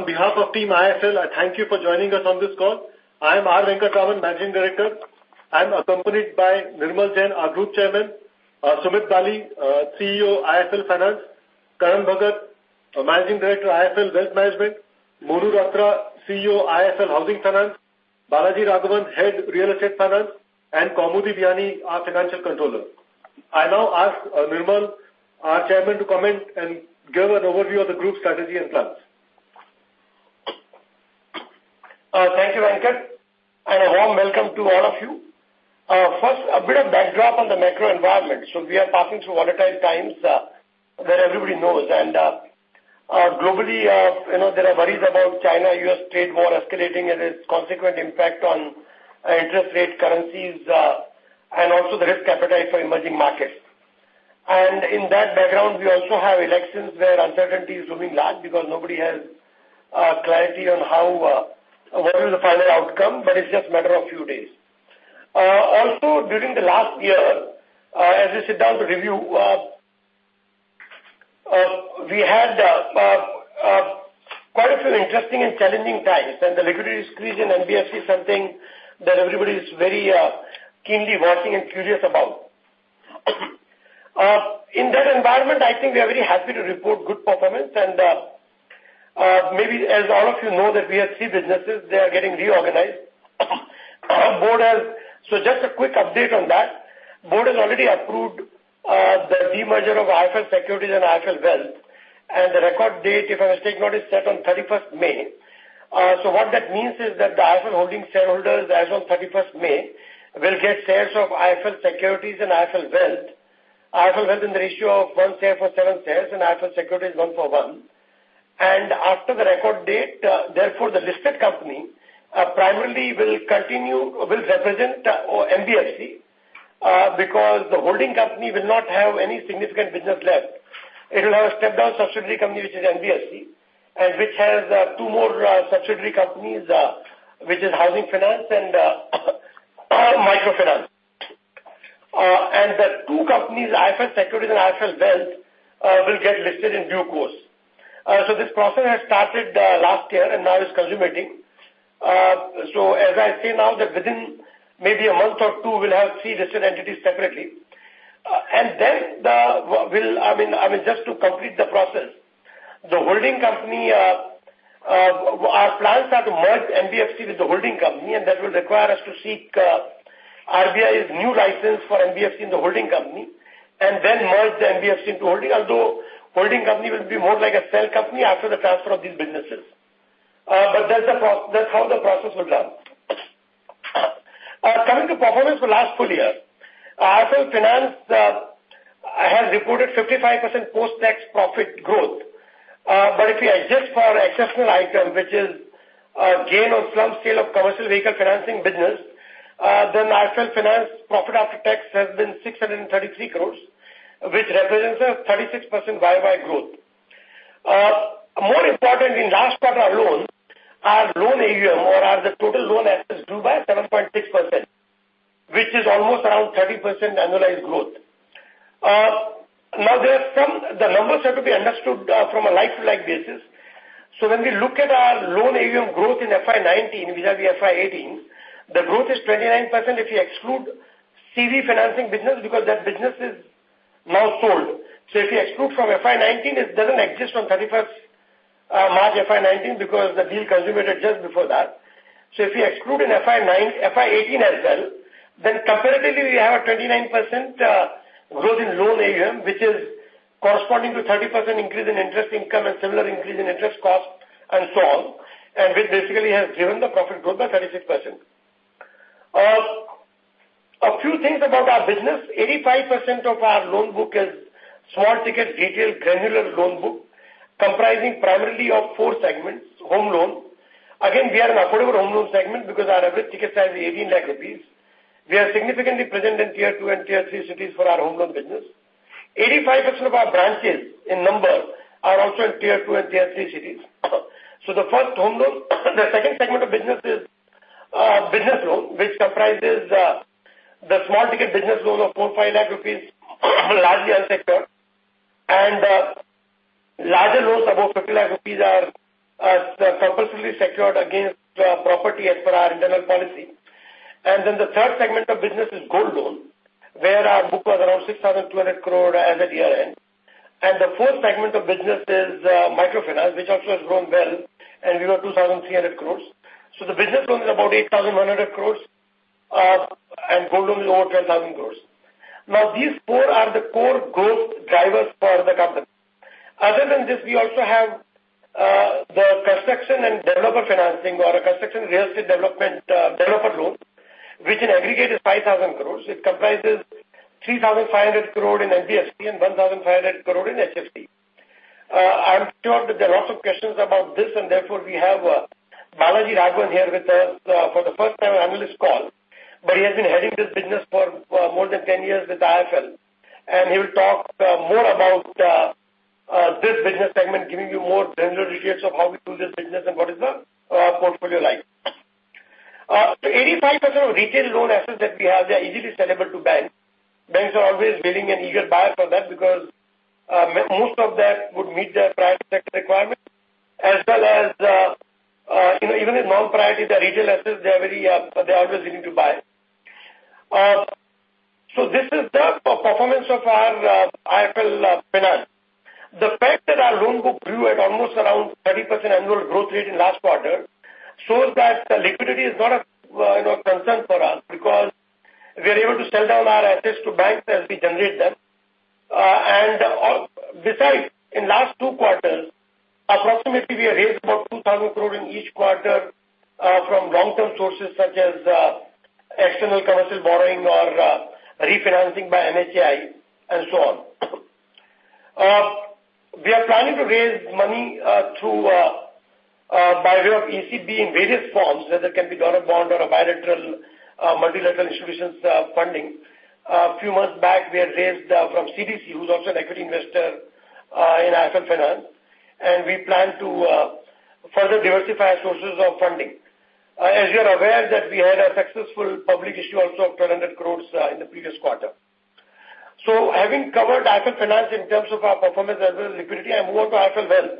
On behalf of team IIFL, I thank you for joining us on this call. I am R. Venkataraman, managing director. I am accompanied by Nirmal Jain, our group chairman, Sumit Bali, CEO, IIFL Finance, Karan Bhagat, managing director, IIFL Wealth Management, Monu Ratra, CEO, IIFL Housing Finance, Balaji Raghavan, head, Real Estate Finance, and Kaumudi Vyas, our financial controller. I now ask Nirmal, our chairman, to comment and give an overview of the group strategy and plans. Thank you, Venkat, and a warm welcome to all of you. First, a bit of backdrop on the macro environment. We are passing through volatile times that everybody knows, and globally, there are worries about China-U.S. trade war escalating and its consequent impact on interest rate currencies and also the risk appetite for emerging markets. In that background, we also have elections where uncertainty is looming large because nobody has clarity on what is the final outcome, but it is just a matter of few days. During the last year, as we sit down to review, we had quite a few interesting and challenging times and the liquidity squeeze in NBFC is something that everybody is very keenly watching and curious about. In that environment, I think we are very happy to report good performance and maybe as all of you know that we have three businesses, they are getting reorganized. Just a quick update on that. Board has already approved the demerger of IIFL Securities and IIFL Wealth. The record date, if I must take note, is set on 31st May. What that means is that the IIFL Holding shareholders as on 31st May, will get shares of IIFL Securities and IIFL Wealth. IIFL Wealth in the ratio of one share for seven shares and IIFL Securities, one for one. After the record date, therefore, the listed company primarily will represent NBFC because the holding company will not have any significant business left. It will have a step-down subsidiary company which is NBFC and which has two more subsidiary companies, which is housing finance and microfinance. The two companies, IIFL Securities and IIFL Wealth, will get listed in due course. This process has started last year and now is consummating. As I say now that within maybe a month or two, we will have three listed entities separately. I mean, just to complete the process. Our plans are to merge NBFC with the holding company, and that will require us to seek RBI's new license for NBFC in the holding company and then merge the NBFC into holding, although holding company will be more like a shell company after the transfer of these businesses. That is how the process will run. Coming to performance for last full year. IIFL Finance has reported 55% post-tax profit growth. If we adjust for exceptional item, which is gain on slump sale of commercial vehicle financing business, then IIFL Finance profit after tax has been 633 crore, which represents a 36% year-over-year growth. More important, in last quarter alone, our loan AUM or as the total loan assets grew by 7.6%, which is almost around 30% annualized growth. The numbers have to be understood from a like-to-like basis. When we look at our loan AUM growth in FY 2019 vis-à-vis FY 2018, the growth is 29% if you exclude CV financing business because that business is now sold. If you exclude from FY 2019, it doesn't exist on 31st March FY 2019 because the deal consummated just before that. If you exclude in FY 2018 as well, comparatively we have a 29% growth in loan AUM, which is corresponding to 30% increase in interest income and similar increase in interest cost and so on, and which basically has given the profit growth by 36%. A few things about our business. 85% of our loan book is small ticket, detailed granular loan book, comprising primarily of four segments, home loan. Again, we are an affordable home loan segment because our average ticket size is 18 lakh rupees. We are significantly present in Tier 2 and Tier 3 cities for our home loan business. 85% of our branches in number are also in Tier 2 and Tier 3 cities. The first, home loan. The second segment of business is business loan, which comprises the small ticket business loan of 4 lakh-5 lakh rupees, largely unsecured. Larger loans above 50 lakh rupees are compulsorily secured against property as per our internal policy. The third segment of business is gold loan, where our book was around 6,200 crore as at year-end. The fourth segment of business is microfinance, which also has grown well, and we were 2,300 crore. The business loan is about 8,100 crore, and gold loan is over 10,000 crore. These four are the core growth drivers for the company. Other than this, we also have the construction and developer financing or construction real estate development developer loan, which in aggregate is 5,000 crore. It comprises 3,500 crore in NBFC and 1,500 crore in HFC. I'm sure that there are lots of questions about this, therefore, we have Balaji Raghavan here with us for the first time analyst call. He has been heading this business for more than ten years with IIFL, and he will talk more about this business segment, giving you more granular details of how we do this business and what is the portfolio like. 85% of retail loan assets that we have, they are easily sellable to banks. Banks are always willing and eager buyer for that because most of that would meet their priority sector requirement as well as even with non-priority, the retail assets, they are always willing to buy. This is the performance of our IIFL Finance. The fact that our loan book grew at almost around 30% annual growth rate in last quarter shows that liquidity is not a concern for us because we are able to sell down our assets to banks as we generate them. Besides, in last two quarters, approximately we have raised about 2,000 crore in each quarter from long-term sources such as external commercial borrowing or refinancing by MHAI, and so on. We are planning to raise money by way of ECB in various forms, whether it can be donor bond or a bilateral multilateral institutions funding. A few months back, we had raised from CDC, who is also an equity investor in IIFL Finance, and we plan to further diversify our sources of funding. You are aware that we had a successful public issue also of 1,200 crore in the previous quarter. Having covered IIFL Finance in terms of our performance as well as liquidity, I move on to IIFL Wealth.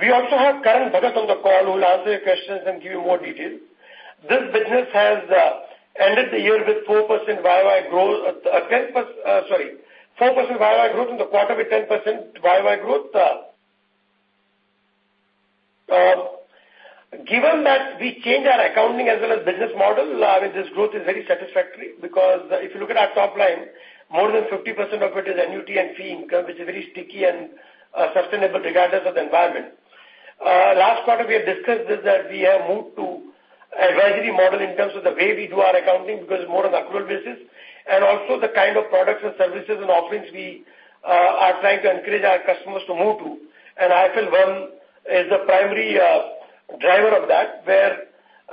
We also have Karan Bhagat on the call who will answer your questions and give you more details. This business has ended the year with 4% YOY growth and the quarter with 10% YOY growth. Given that we changed our accounting as well as business model, this growth is very satisfactory because if you look at our top line, more than 50% of it is annuity and fee income, which is very sticky and sustainable regardless of the environment. Last quarter, we had discussed this that we have moved to advisory model in terms of the way we do our accounting because it is more on accrual basis, and also the kind of products and services and offerings we are trying to encourage our customers to move to. IIFL Wealth is the primary driver of that, where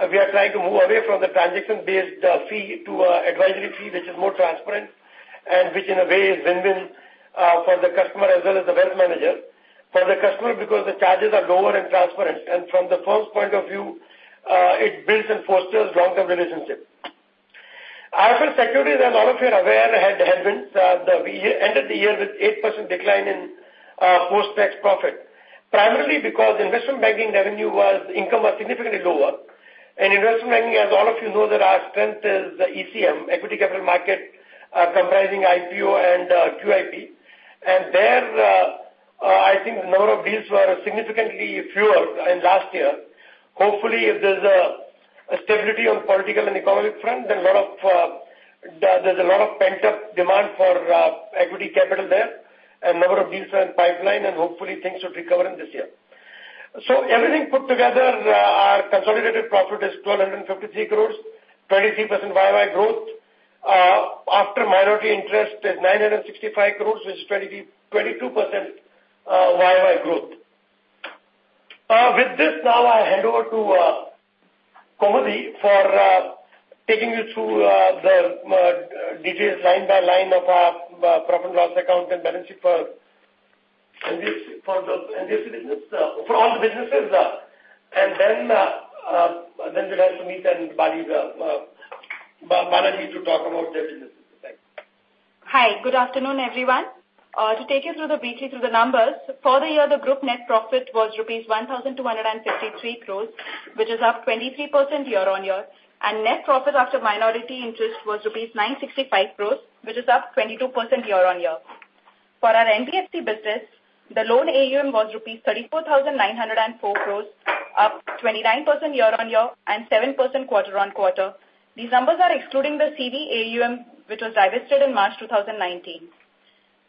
we are trying to move away from the transaction-based fee to advisory fee, which is more transparent and which in a way is win-win for the customer as well as the wealth manager. For the customer because the charges are lower and transparent, and from the first point of view, it builds and fosters long-term relationship. IIFL Securities, as all of you are aware, we ended the year with 8% decline in post-tax profit, primarily because investment banking revenue was significantly lower. Investment banking, as all of you know that our strength is the ECM, equity capital market, comprising IPO and QIP. There, I think number of these were significantly fewer in last year. Hopefully, if there is a stability on political and economic front, there is a lot of pent-up demand for equity capital there and number of these are in pipeline and hopefully things should recover in this year. Everything put together, our consolidated profit is 1,253 crore, 23% YOY growth. After minority interest is 965 crore, which is 22% YOY growth. With this now I hand over to Kaumudiji for taking you through the details line by line of our profit and loss account and balance sheet for all the businesses, and then we will also have Balaji to talk about their businesses. Thanks. Hi. Good afternoon, everyone. To take you through the details of the numbers. For the year, the group net profit was INR 1,253 crores, which is up 23% year-on-year, and net profit after minority interest was INR 965 crores, which is up 22% year-on-year. For our NBFC business, the loan AUM was INR 34,904 crores, up 29% year-on-year and 7% quarter-on-quarter. These numbers are excluding the CV AUM, which was divested in March 2019.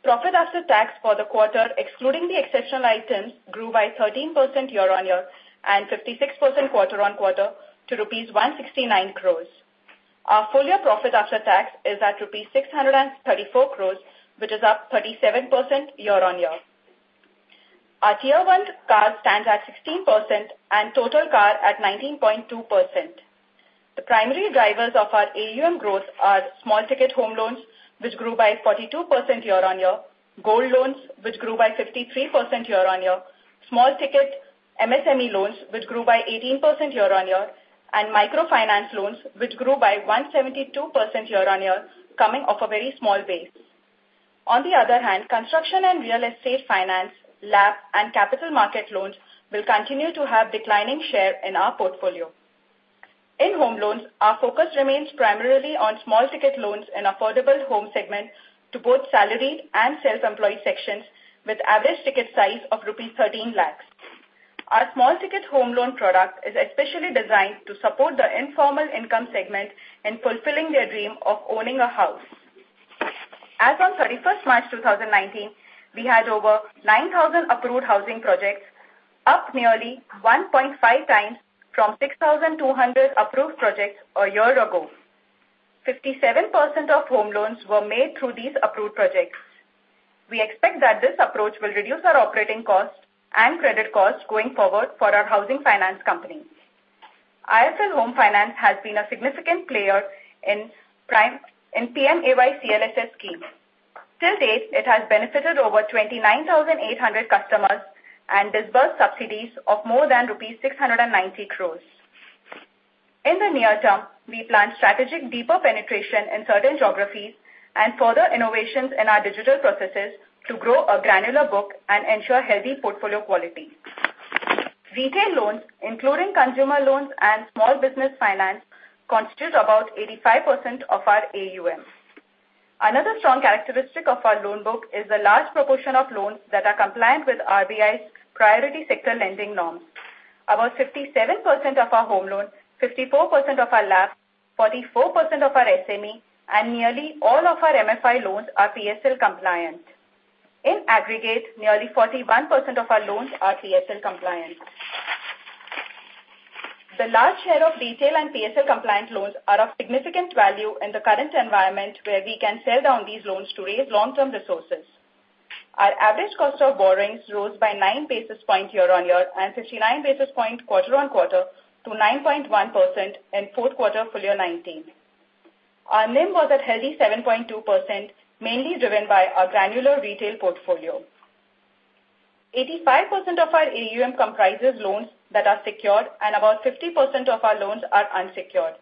Profit after tax for the quarter, excluding the exceptional items, grew by 13% year-on-year and 56% quarter-on-quarter to rupees 169 crores. Our full-year profit after tax is at rupees 634 crores, which is up 37% year-on-year. Our Tier 1 CAR stands at 16% and total CAR at 19.2%. The primary drivers of our AUM growth are small ticket home loans, which grew by 42% year-on-year, gold loans which grew by 53% year-on-year, small ticket MSME loans which grew by 18% year-on-year, and microfinance loans which grew by 172% year-on-year, coming off a very small base. On the other hand, construction and real estate finance, LAP and capital market loans will continue to have declining share in our portfolio. In home loans, our focus remains primarily on small ticket loans and affordable home segment to both salaried and self-employed sections with average ticket size of rupees 13 lakhs. Our small ticket home loan product is especially designed to support the informal income segment in fulfilling their dream of owning a house. As on 31st March 2019, we had over 9,000 approved housing projects, up nearly 1.5 times from 6,200 approved projects a year ago. 57% of home loans were made through these approved projects. We expect that this approach will reduce our operating costs and credit costs going forward for our housing finance company. IIFL Home Finance has been a significant player in PMAY CLSS scheme. Till date, it has benefited over 29,800 customers and disbursed subsidies of more than rupees 690 crores. In the near term, we plan strategic deeper penetration in certain geographies and further innovations in our digital processes to grow a granular book and ensure healthy portfolio quality. Retail loans, including consumer loans and small business finance, constitute about 85% of our AUM. Another strong characteristic of our loan book is the large proportion of loans that are compliant with RBI's priority sector lending norms. About 57% of our home loan, 54% of our LAPs, 44% of our SME, and nearly all of our MFI loans are PSL compliant. In aggregate, nearly 41% of our loans are PSL compliant. The large share of retail and PSL compliant loans are of significant value in the current environment where we can sell down these loans to raise long-term resources. Our average cost of borrowings rose by nine basis points year-on-year and 59 basis points quarter-on-quarter to 9.1% in fourth quarter full year 2019. Our NIM was at a healthy 7.2%, mainly driven by our granular retail portfolio. 85% of our AUM comprises loans that are secured and about 50% of our loans are unsecured.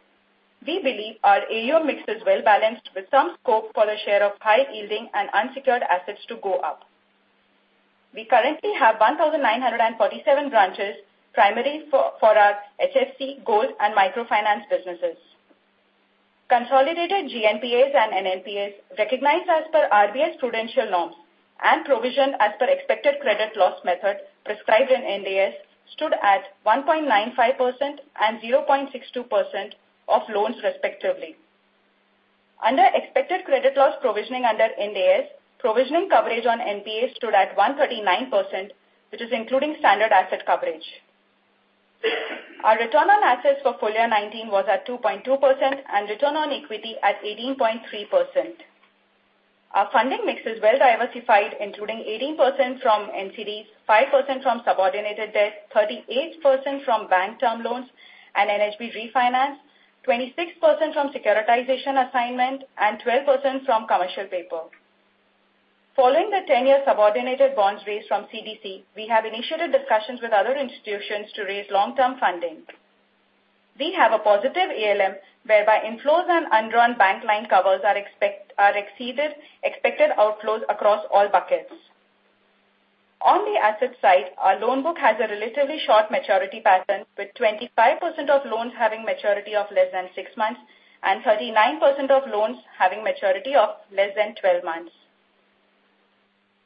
We believe our AUM mix is well-balanced with some scope for the share of high yielding and unsecured assets to go up. We currently have 1,947 branches primary for our HFC, gold, and microfinance businesses. Consolidated GNPA and NNPA recognized as per RBI's prudential norms and provision as per expected credit loss method prescribed in Ind AS stood at 1.95% and 0.62% of loans respectively. Under expected credit loss provisioning under Ind AS, provisioning coverage on NPA stood at 139%, which is including standard asset coverage. Our return on assets for full year 2019 was at 2.2% and return on equity at 18.3%. Our funding mix is well-diversified, including 18% from NCDs, 5% from subordinated debt, 38% from bank term loans and NHB refinance, 26% from securitization assignment, and 12% from commercial paper. Following the ten-year subordinated bonds raised from CDC, we have initiated discussions with other institutions to raise long-term funding. We have a positive ALM whereby inflows and undrawn bank line covers are exceeded expected outflows across all buckets. On the asset side, our loan book has a relatively short maturity pattern, with 25% of loans having maturity of less than six months and 39% of loans having maturity of less than 12 months.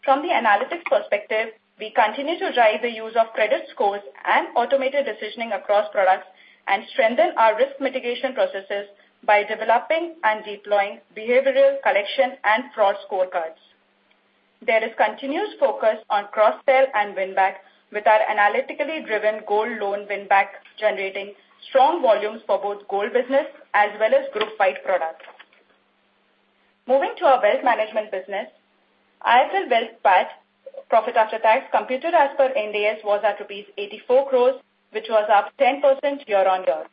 From the analytics perspective, we continue to drive the use of credit scores and automated decisioning across products and strengthen our risk mitigation processes by developing and deploying behavioral collection and fraud scorecards. There is continuous focus on cross-sell and win-back with our analytically driven gold loan win-back generating strong volumes for both gold business as well as Group 5 products. Moving to our wealth management business, IIFL Wealth PAT, profit after tax, computed as per Ind AS was at rupees 84 crore, which was up 10% year-on-year.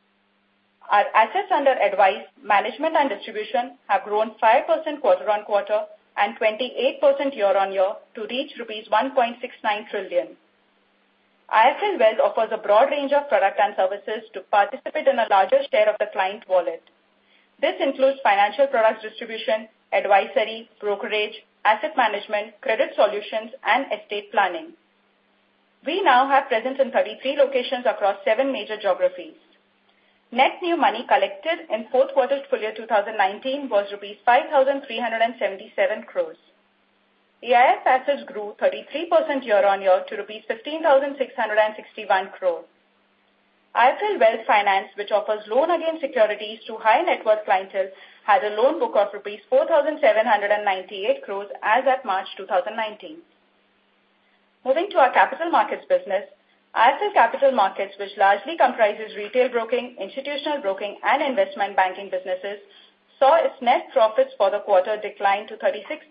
Our assets under advice, management, and distribution have grown 5% quarter-on-quarter and 28% year-on-year to reach rupees 1.69 trillion. IIFL Wealth offers a broad range of product and services to participate in a larger share of the client wallet. This includes financial products distribution, advisory, brokerage, asset management, credit solutions, and estate planning. We now have presence in 33 locations across seven major geographies. Net new money collected in fourth quarter full year 2019 was rupees 5,377 crore. AIF assets grew 33% year-on-year to rupees 15,661 crore. IIFL Wealth Finance, which offers loans against securities to high-net-worth clientele, has a loan book of INR 4,798 crore as at March 2019. Moving to our capital markets business, IIFL Capital Markets, which largely comprises retail broking, institutional broking, and investment banking businesses, saw its net profits for the quarter decline to 36%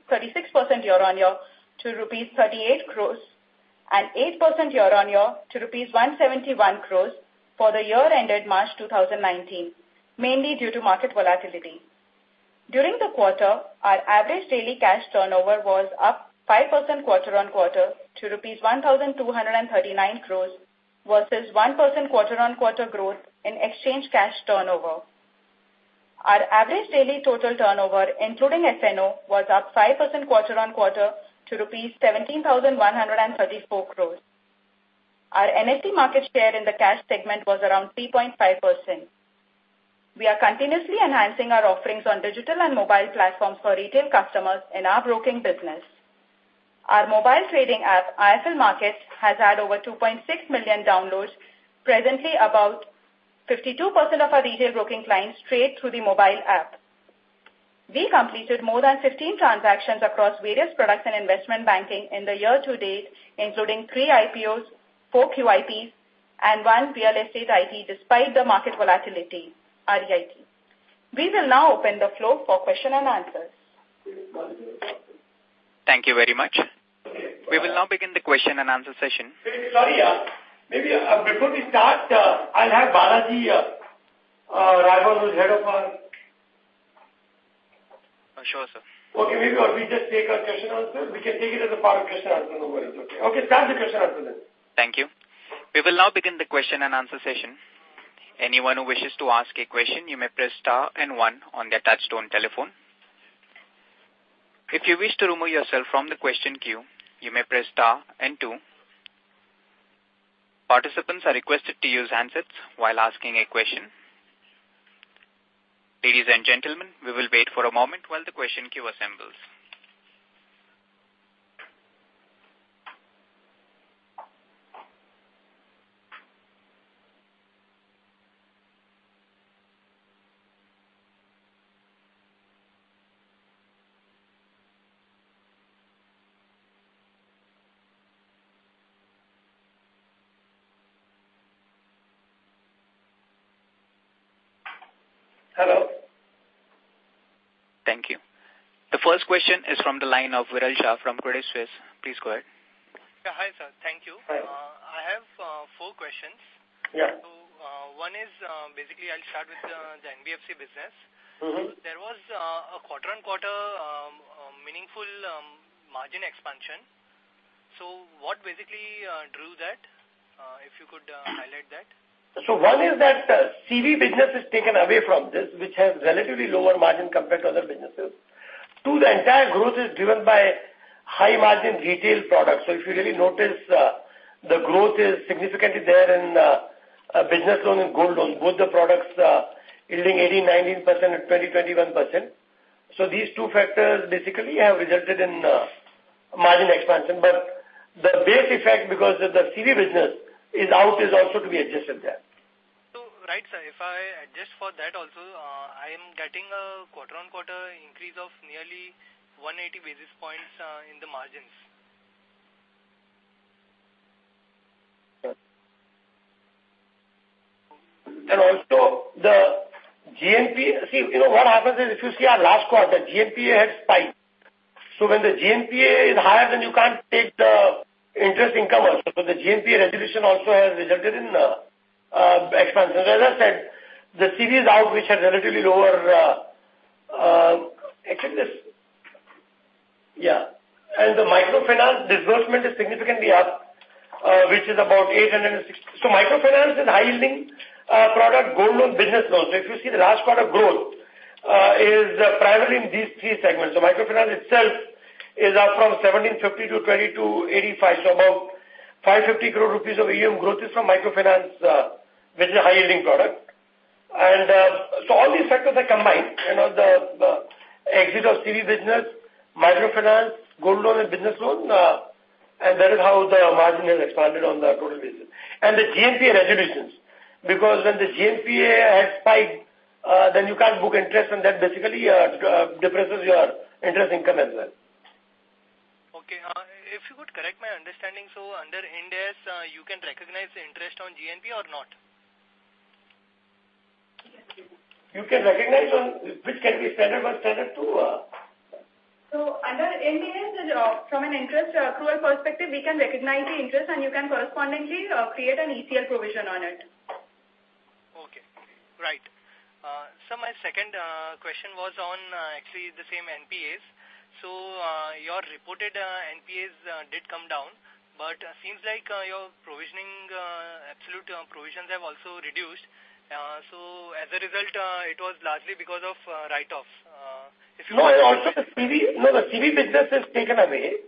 year-on-year to rupees 38 crore and 8% year-on-year to rupees 171 crore for the year ended March 2019, mainly due to market volatility. During the quarter, our average daily cash turnover was up 5% quarter-on-quarter to rupees 1,239 crore versus 1% quarter-on-quarter growth in exchange cash turnover. Our average daily total turnover, including F&O, was up 5% quarter-on-quarter to rupees 17,134 crore. Our NSE market share in the cash segment was around 3.5%. We are continuously enhancing our offerings on digital and mobile platforms for retail customers in our broking business. Our mobile trading app, IIFL Markets, has had over 2.6 million downloads. Presently, about 52% of our retail broking clients trade through the mobile app. We completed more than 15 transactions across various products and investment banking in the year to date, including three IPOs, four QIPs, and one real estate IPO despite the market volatility, REIT. We will now open the floor for question and answers. Thank you very much. We will now begin the question and answer session. Sorry. Maybe before we start, I'll have Balaji Raghavan, who's head of our Sure, sir. Okay. Maybe we just take our question and answer. We can take it as a part of question and answer, no worries. Okay. Start the question and answer then. Thank you. We will now begin the question and answer session. Anyone who wishes to ask a question, you may press star and one on the touchtone telephone. If you wish to remove yourself from the question queue, you may press star and two. Participants are requested to use handsets while asking a question. Ladies and gentlemen, we will wait for a moment while the question queue assembles. Hello. Thank you. The first question is from the line of Viral Shah from Credit Suisse. Please go ahead. Hi, sir. Thank you. Hi. I have four questions. Yeah. One is, I'll start with the NBFC business. There was a quarter-on-quarter meaningful margin expansion. What drove that? If you could highlight that. One is that CV business is taken away from this, which has relatively lower margin compared to other businesses. Two, the entire growth is driven by high-margin retail products. If you really notice, the growth is significantly there in business loan and gold loan. Both the products are yielding 18%, 19% and 20%, 21%. These two factors have resulted in margin expansion. The base effect because of the CV business is out, is also to be adjusted there. Right, sir. If I adjust for that also, I am getting a quarter-on-quarter increase of nearly 180 basis points in the margins. Yes. Also, the GNPA. What happens is, if you see our last quarter, GNPA had spiked. When the GNPA is higher, then you can't take the interest income also. The GNPA resolution also has resulted in expansion. As I said, the CV is out, which has relatively lower expenses. The microfinance disbursement is significantly up, which is about 860. Microfinance is a high-yielding product, gold loan, business loan. If you see the last quarter growth, is primarily in these three segments. Microfinance itself is up from 1,750 to 2,285. About 550 crore rupees of AUM growth is from microfinance, which is a high-yielding product. All these factors are combined. The exit of CV business, microfinance, gold loan, and business loan, that is how the margin has expanded on the total basis. The GNPA resolutions, because when the GNPA has spiked, then you can't book interest, and that basically depresses your interest income as well. Okay. If you could correct my understanding. Under Ind AS, you can recognize the interest on GNPA or not? You can recognize on which can be standard by standard 2. Under Ind AS, from an interest accrual perspective, we can recognize the interest, and you can correspondingly create an ECL provision on it. Okay. Right. Sir, my second question was on actually the same NPAs. Your reported NPAs did come down, but seems like your absolute provisions have also reduced. As a result, it was largely because of write-offs. No, the CV business is taken away.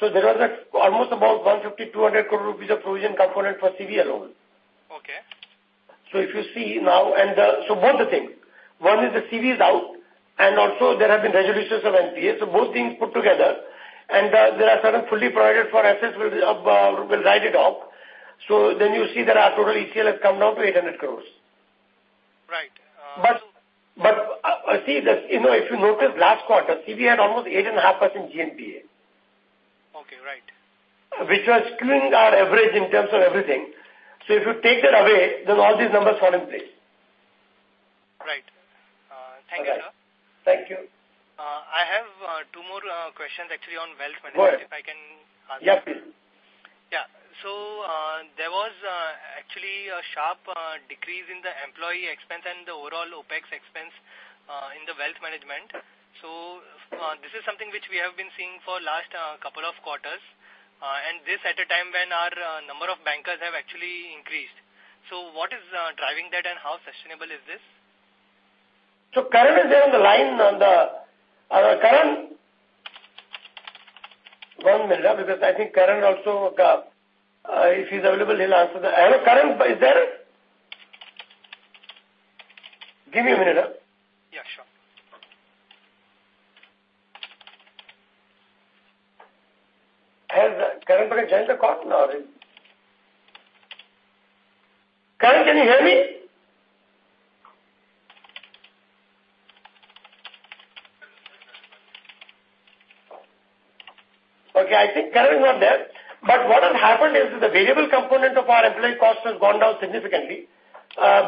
There was almost about 150 crore rupees, INR 200 crore of provision component for CV alone. Okay. If you see now. Both the things, one is the CV is out, and also there have been resolutions of NPA. Both things put together, and there are certain fully provided for assets will be written off. Then you see that our total ECL has come down to 800 crore. Right. See, if you notice last quarter, CV had almost 8.5% GNPA. Okay. Right. Which was skewing our average in terms of everything. If you take that away, then all these numbers fall in place. Right. Thank you, sir. Okay. Thank you. I have two more questions actually on wealth management. Go ahead. If I can ask. Yeah, please. Yeah. There was actually a sharp decrease in the employee expense and the overall OpEx expense in the Wealth Management. This is something which we have been seeing for last couple of quarters, and this at a time when our number of bankers have actually increased. What is driving that, and how sustainable is this? Karan is there on the line. Karan? One minute, because I think Karan also, if he's available, he'll answer that. Hello, Karan, are you there? Give me a minute. Yeah, sure. Has Karan been joined the call or no? Karan, can you hear me? Okay, I think Karan is not there. What has happened is that the variable component of our employee cost has gone down significantly.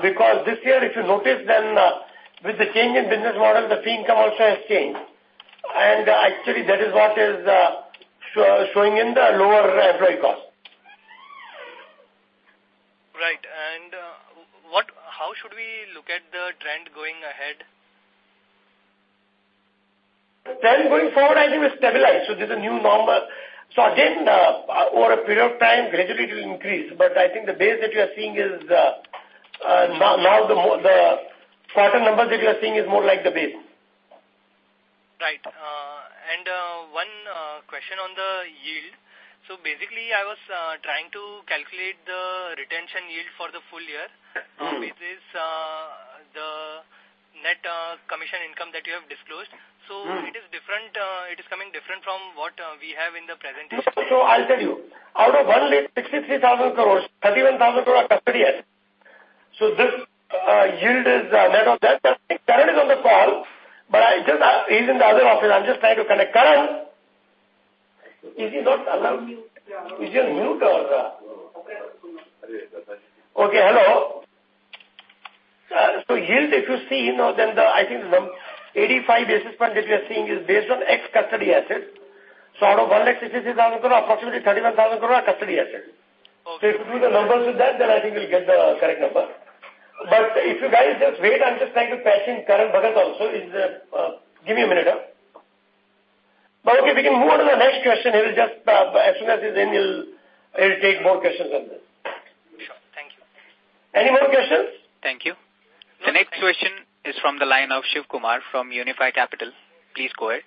This year, if you notice, then with the change in business model, the fee income also has changed. Actually, that is what is showing in the lower employee cost. Right. How should we look at the trend going ahead? Trend going forward, I think we've stabilized. This is a new normal. Again, over a period of time, gradually it will increase. I think the base that you are seeing, the quarter numbers that you are seeing is more like the base. Right. One question on the yield. Basically, I was trying to calculate the retention yield for the full year. which is the net commission income that you have disclosed. It is coming different from what we have in the presentation. I'll tell you. Out of 163,000 crore, 31,000 crore are custody assets. This yield is net of that. Karan is on the call, he's in the other office. I'm just trying to connect. Karan. Is he not allowed? Is he on mute or Okay. Hello. Yield, if you see, I think the 85 basis points that you're seeing is based on ex custody assets. Out of 163,000 crore, approximately INR 31,000 crore are custody asset. Okay. If you do the numbers with that, then I think you'll get the correct number. If you guys just wait, I'm just trying to patch in Karan Bhagat also. Give me a minute. Okay, we can move on to the next question. As soon as he's in, he'll take more questions on this. Sure. Thank you. Any more questions? Thank you. The next question is from the line of Shivkumar from Unifi Capital. Please go ahead.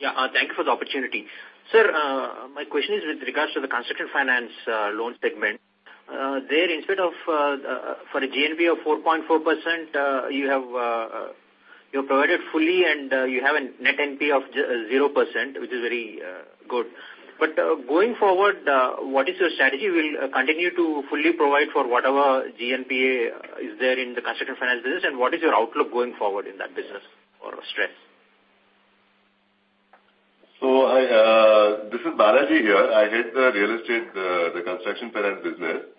Yeah. Thank you for the opportunity. Sir, my question is with regards to the construction finance loan segment. There, for a GNPA of 4.4%, you provided fully and you have a NNPA of 0%, which is very good. Going forward, what is your strategy? Will you continue to fully provide for whatever GNPA is there in the construction finance business and what is your outlook going forward in that business for stress? This is Balaji here. I head the real estate, the construction finance business.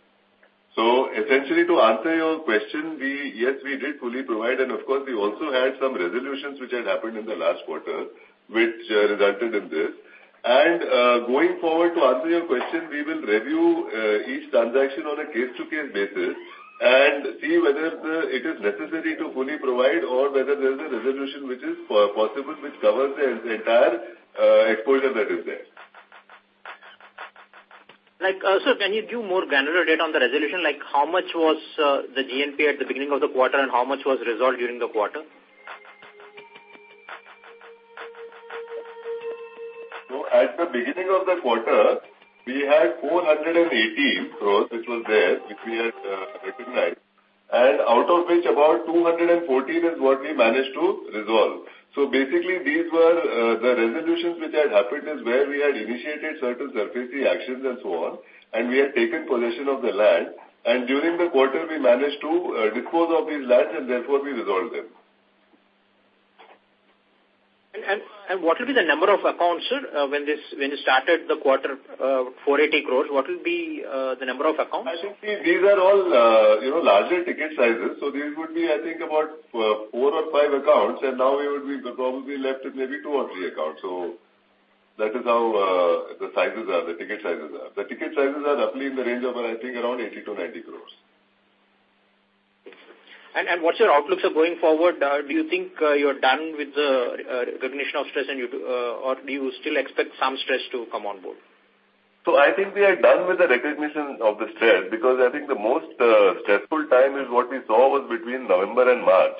Essentially, to answer your question, yes, we did fully provide and of course, we also had some resolutions which had happened in the last quarter, which resulted in this. Going forward, to answer your question, we will review each transaction on a case-to-case basis and see whether it is necessary to fully provide or whether there is a resolution which is possible, which covers the entire exposure that is there. Sir, can you give more granular data on the resolution? How much was the GNPA at the beginning of the quarter and how much was resolved during the quarter? At the beginning of the quarter, we had 480 crores, which was there, which we had recognized and out of which about 214 is what we managed to resolve. Basically, these were the resolutions which had happened is where we had initiated certain SARFAESI actions and so on, and we had taken possession of the land. During the quarter, we managed to dispose of these lands and therefore we resolved them. What will be the number of accounts, sir? When you started the quarter, 480 crores, what will be the number of accounts? I think these are all larger ticket sizes. These would be, I think about four or five accounts and now we would be probably left with maybe two or three accounts. That is how the ticket sizes are. The ticket sizes are roughly in the range of, I think around 80 crore-90 crore. What's your outlook, sir, going forward? Do you think you're done with the recognition of stress or do you still expect some stress to come on board? I think we are done with the recognition of the stress because I think the most stressful time is what we saw was between November and March.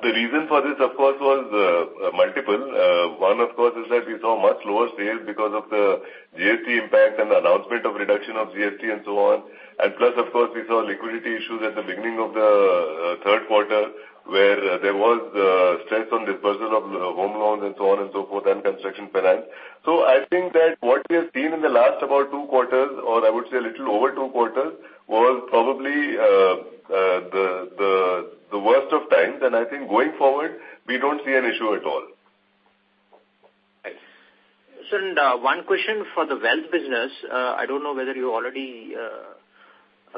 The reason for this, of course, was multiple. One, of course, is that we saw much lower sales because of the GST impact and the announcement of reduction of GST and so on. Plus, of course, we saw liquidity issues at the beginning of the third quarter where there was stress on disbursement of home loans and so on and so forth and construction finance. I think that what we have seen in the last about two quarters or I would say a little over two quarters was probably the worst of times. I think going forward, we don't see an issue at all. Right. Sir, one question for the wealth business. I don't know whether you already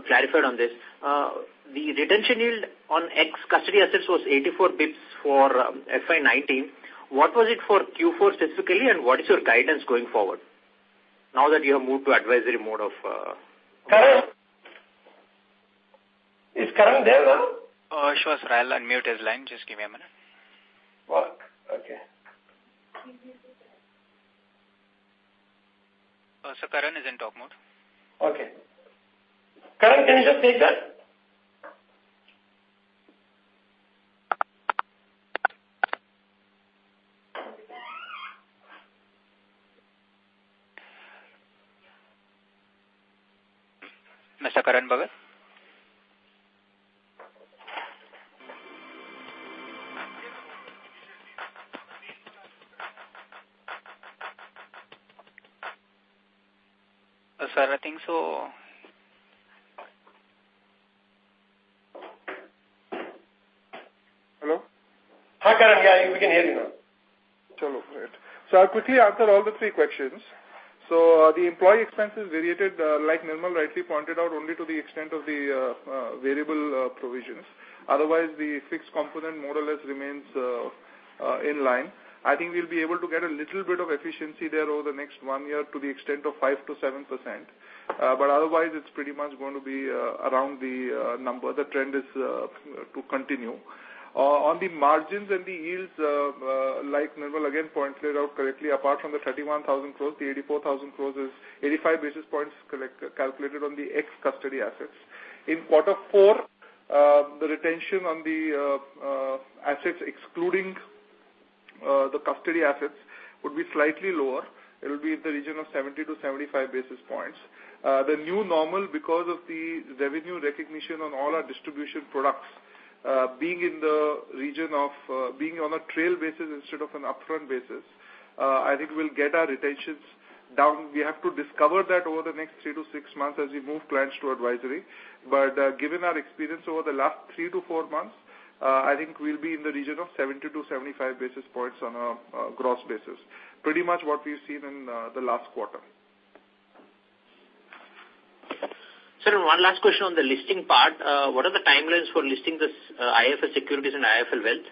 clarified on this. The retention yield on ex-custody assets was 84 basis points for FY 2019. What was it for Q4 specifically and what is your guidance going forward now that you have moved to advisory mode? Karan. Is Karan there? Sure, sir. I'll unmute his line. Just give me a minute. Okay. Sir, Karan is in talk mode. Okay. Karan, can you just take that? Mr. Karan Bhagat? Sir, I think so. Hi Karan. Yeah, we can hear you now. Great. I'll quickly answer all the three questions. The employee expenses variated, like Nirmal rightly pointed out, only to the extent of the variable provisions. Otherwise, the fixed component more or less remains in line. I think we'll be able to get a little bit of efficiency there over the next one year to the extent of 5%-7%. Otherwise, it's pretty much going to be around the number. The trend is to continue. On the margins and the yields, like Nirmal again pointed out correctly, apart from the 31,000 crores, the 84,000 crores is 85 basis points calculated on the ex-custody assets. In quarter four, the retention on the assets excluding the custody assets would be slightly lower. It will be in the region of 70 to 75 basis points. The new normal, because of the revenue recognition on all our distribution products, being on a trail basis instead of an upfront basis, I think we'll get our retentions down. We have to discover that over the next three to six months as we move clients to advisory. Given our experience over the last three to four months, I think we'll be in the region of 70 to 75 basis points on a gross basis. Pretty much what we've seen in the last quarter. Sir, one last question on the listing part. What are the timelines for listing this IIFL Securities and IIFL Wealth?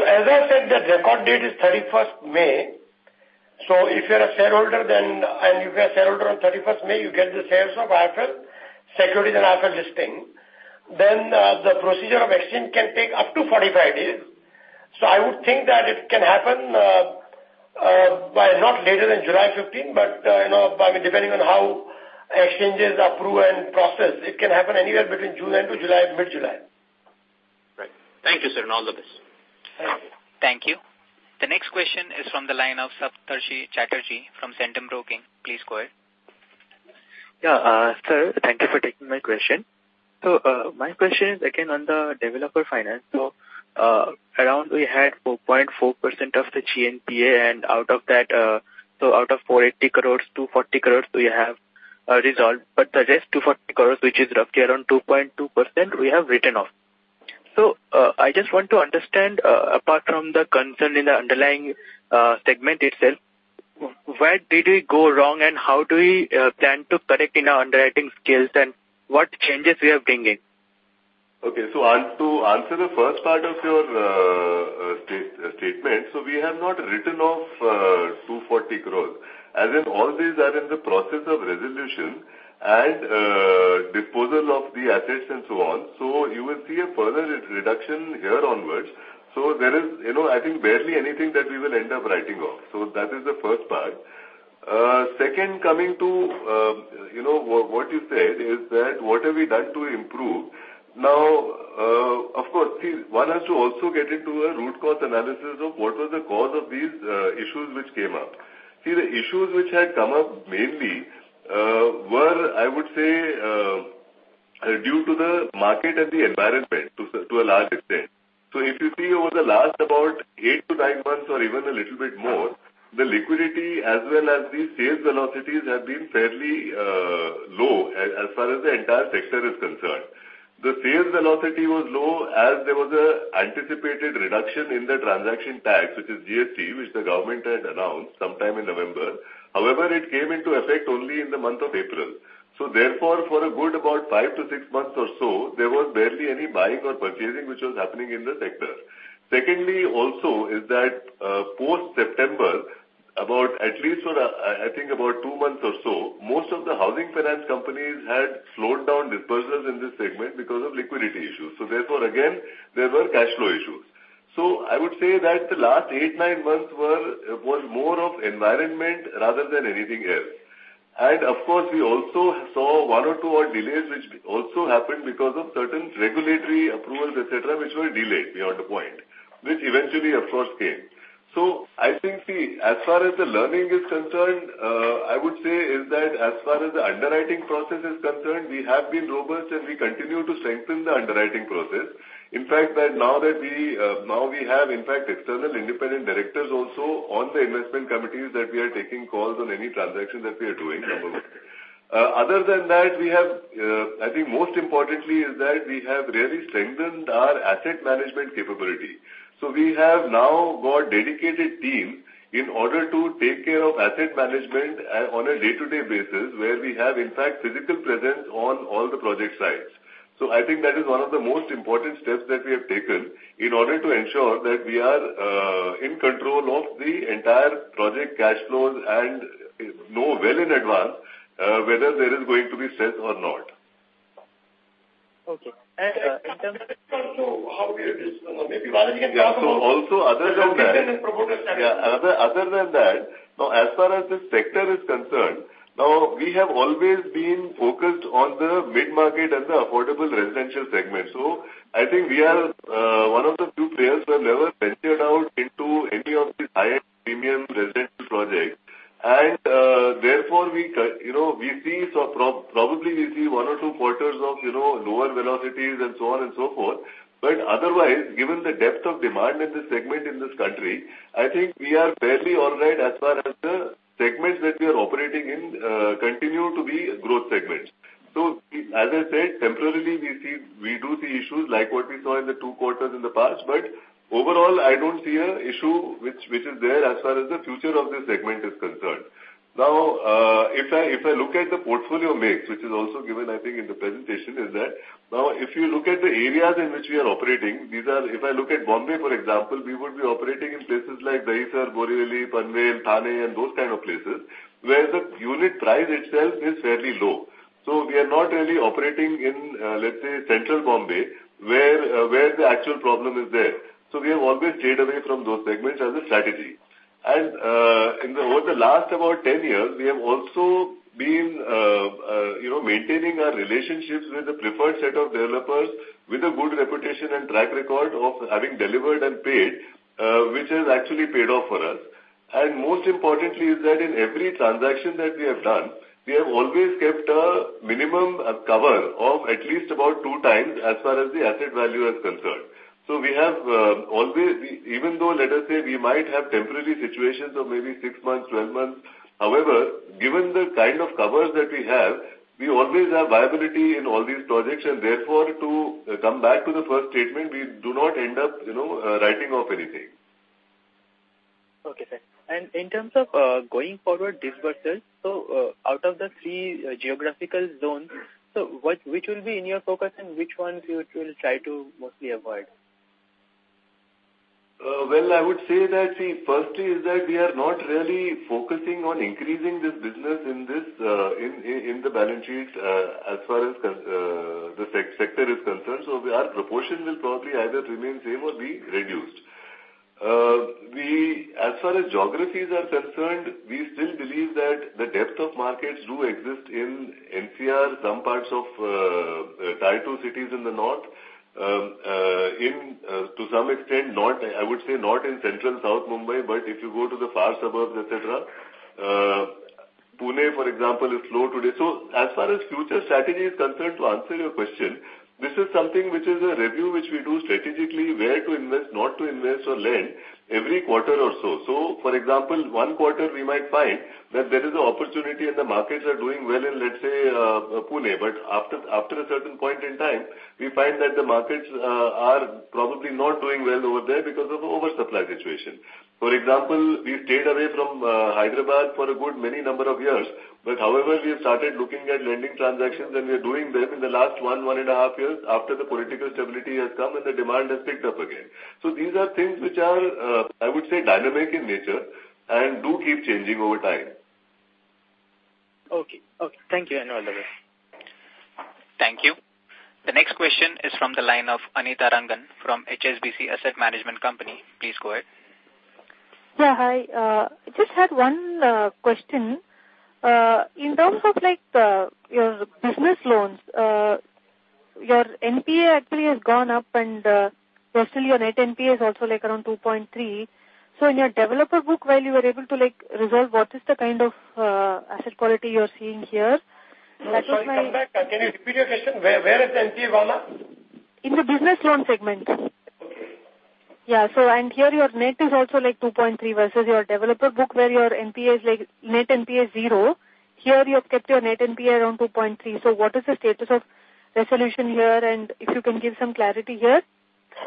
As I said, the record date is 31st May. If you're a shareholder on 31st May, you get the shares of IIFL Securities and IIFL listing. The procedure of exchange can take up to 45 days. I would think that it can happen by not later than July 15, but depending on how exchanges approve and process, it can happen anywhere between June end to mid-July. Right. Thank you, sir, and all the best. Thank you. Thank you. The next question is from the line of Saptarshi Chatterjee from Centrum Broking. Please go ahead. Yeah. Sir, thank you for taking my question. My question is again on the developer finance. Around we had 4.4% of the GNPA and out of 480 crores, 240 crores we have resolved, but the rest 240 crores, which is roughly around 2.2%, we have written off. I just want to understand, apart from the concern in the underlying segment itself, where did we go wrong and how do we plan to correct in our underwriting skills and what changes we are bringing? Okay. To answer the first part of your statement, we have not written off 240 crores, as in all these are in the process of resolution and disposal of the assets and so on. You will see a further reduction here onwards. There is I think barely anything that we will end up writing off. That is the first part. Second, coming to what you said is that what have we done to improve? Now, of course, see, one has to also get into a root cause analysis of what was the cause of these issues which came up. See, the issues which had come up mainly were, I would say, due to the market and the environment to a large extent. If you see over the last about eight to nine months or even a little bit more, the liquidity as well as the sales velocities have been fairly low as far as the entire sector is concerned. The sales velocity was low as there was an anticipated reduction in the transaction tax, which is GST, which the government had announced sometime in November. However, it came into effect only in the month of April. For a good about five to six months or so, there was barely any buying or purchasing which was happening in the sector. Secondly, also is that post September, about at least I think about two months or so, most of the housing finance companies had slowed down dispersals in this segment because of liquidity issues. Again, there were cash flow issues. I would say that the last eight, nine months were more of environment rather than anything else. Of course, we also saw one or two odd delays, which also happened because of certain regulatory approvals, et cetera, which were delayed beyond a point, which eventually of course came. I think, see, as far as the learning is concerned, I would say is that as far as the underwriting process is concerned, we have been robust, and we continue to strengthen the underwriting process. In fact, now we have external independent directors also on the investment committees that we are taking calls on any transaction that we are doing. Other than that, I think most importantly is that we have really strengthened our asset management capability. We have now got dedicated teams in order to take care of asset management on a day-to-day basis, where we have in fact physical presence on all the project sites. I think that is one of the most important steps that we have taken in order to ensure that we are in control of the entire project cash flows and know well in advance whether there is going to be sales or not. Okay. In terms of- Also other than that- promoter side. Yeah. Other than that, as far as the sector is concerned, we have always been focused on the mid-market and the affordable residential segment. I think we are one of the few players who have never ventured out into any of the high-end premium residential projects. Therefore, probably we see one or two quarters of lower velocities and so on and so forth. Otherwise, given the depth of demand in this segment in this country, I think we are fairly all right as far as the segments that we are operating in continue to be growth segments. So as I said, temporarily, we do see issues like what we saw in the two quarters in the past, overall, I don't see an issue which is there as far as the future of this segment is concerned. If I look at the portfolio mix, which is also given, I think in the presentation, is that. If you look at the areas in which we are operating, if I look at Bombay, for example, we would be operating in places like Dahisar, Borivali, Panvel, Thane, and those kind of places, where the unit price itself is fairly low. We are not really operating in, let's say, central Bombay, where the actual problem is there. We have always stayed away from those segments as a strategy. Over the last about 10 years, we have also been maintaining our relationships with a preferred set of developers with a good reputation and track record of having delivered and paid, which has actually paid off for us. Most importantly is that in every transaction that we have done, we have always kept a minimum cover of at least about two times as far as the asset value is concerned. Even though, let us say, we might have temporary situations of maybe six months, 12 months, however, given the kind of covers that we have, we always have viability in all these projects, therefore, to come back to the first statement, we do not end up writing off anything. Okay, sir. In terms of going forward dispersals, out of the three geographical zones, which will be in your focus and which ones you will try to mostly avoid? Well, I would say that, firstly is that we are not really focusing on increasing this business in the balance sheet, as far as the sector is concerned. Our proportion will probably either remain same or be reduced. As far as geographies are concerned, we still believe that the depth of markets do exist in NCR, some parts of Tier 2 cities in the north. To some extent, I would say not in central south Mumbai, but if you go to the far suburbs, et cetera. Pune, for example, is low today. As far as future strategy is concerned, to answer your question, this is something which is a review which we do strategically where to invest, not to invest or lend every quarter or so. For example, one quarter we might find that there is an opportunity and the markets are doing well in, let's say, Pune. After a certain point in time, we find that the markets are probably not doing well over there because of the oversupply situation. For example, we stayed away from Hyderabad for a good many number of years. However, we have started looking at lending transactions and we are doing them in the last one and a half years after the political stability has come and the demand has picked up again. These are things which are, I would say, dynamic in nature and do keep changing over time. Okay. Thank you. I know all that. Thank you. The next question is from the line of Anitha Rangan from HSBC Asset Management Company. Please go ahead. Yeah. Hi. I just had one question. In terms of your business loans, your NPA actually has gone up, and lastly your net NPA is also around 2.3. In your developer book, while you are able to resolve what is the kind of asset quality you are seeing here? Sorry, come back. Can you repeat your question? Where is the NPA gone up? In the business loan segment. Okay. Here your net is also 2.3 versus your developer book where your net NPA is 0. Here, you have kept your net NPA around 2.3. What is the status of resolution here, and if you can give some clarity here?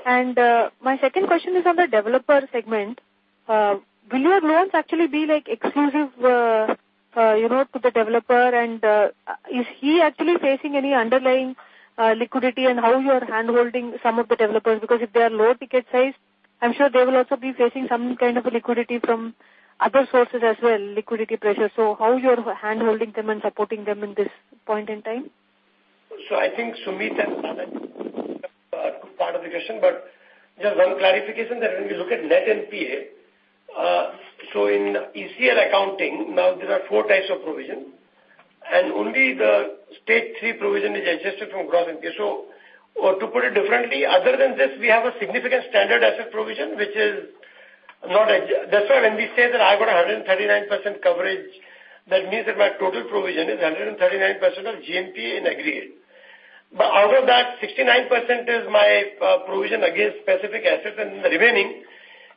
My second question is on the developer segment. Will your loans actually be exclusive to the developer? Is he actually facing any underlying liquidity and how you are handholding some of the developers? Because if they are low ticket size, I'm sure they will also be facing some kind of a liquidity from other sources as well, liquidity pressure. How you are handholding them and supporting them in this point in time? I think Sumit can comment on part of the question, but just one clarification that when we look at net NPA, in ECL accounting, now there are 4 types of provision, and only the stage 3 provision is adjusted from GNPA. Or to put it differently, other than this, we have a significant standard asset provision. That's why when we say that I've got 139% coverage, that means that my total provision is 139% of GNPA in aggregate. Out of that, 69% is my provision against specific assets, and the remaining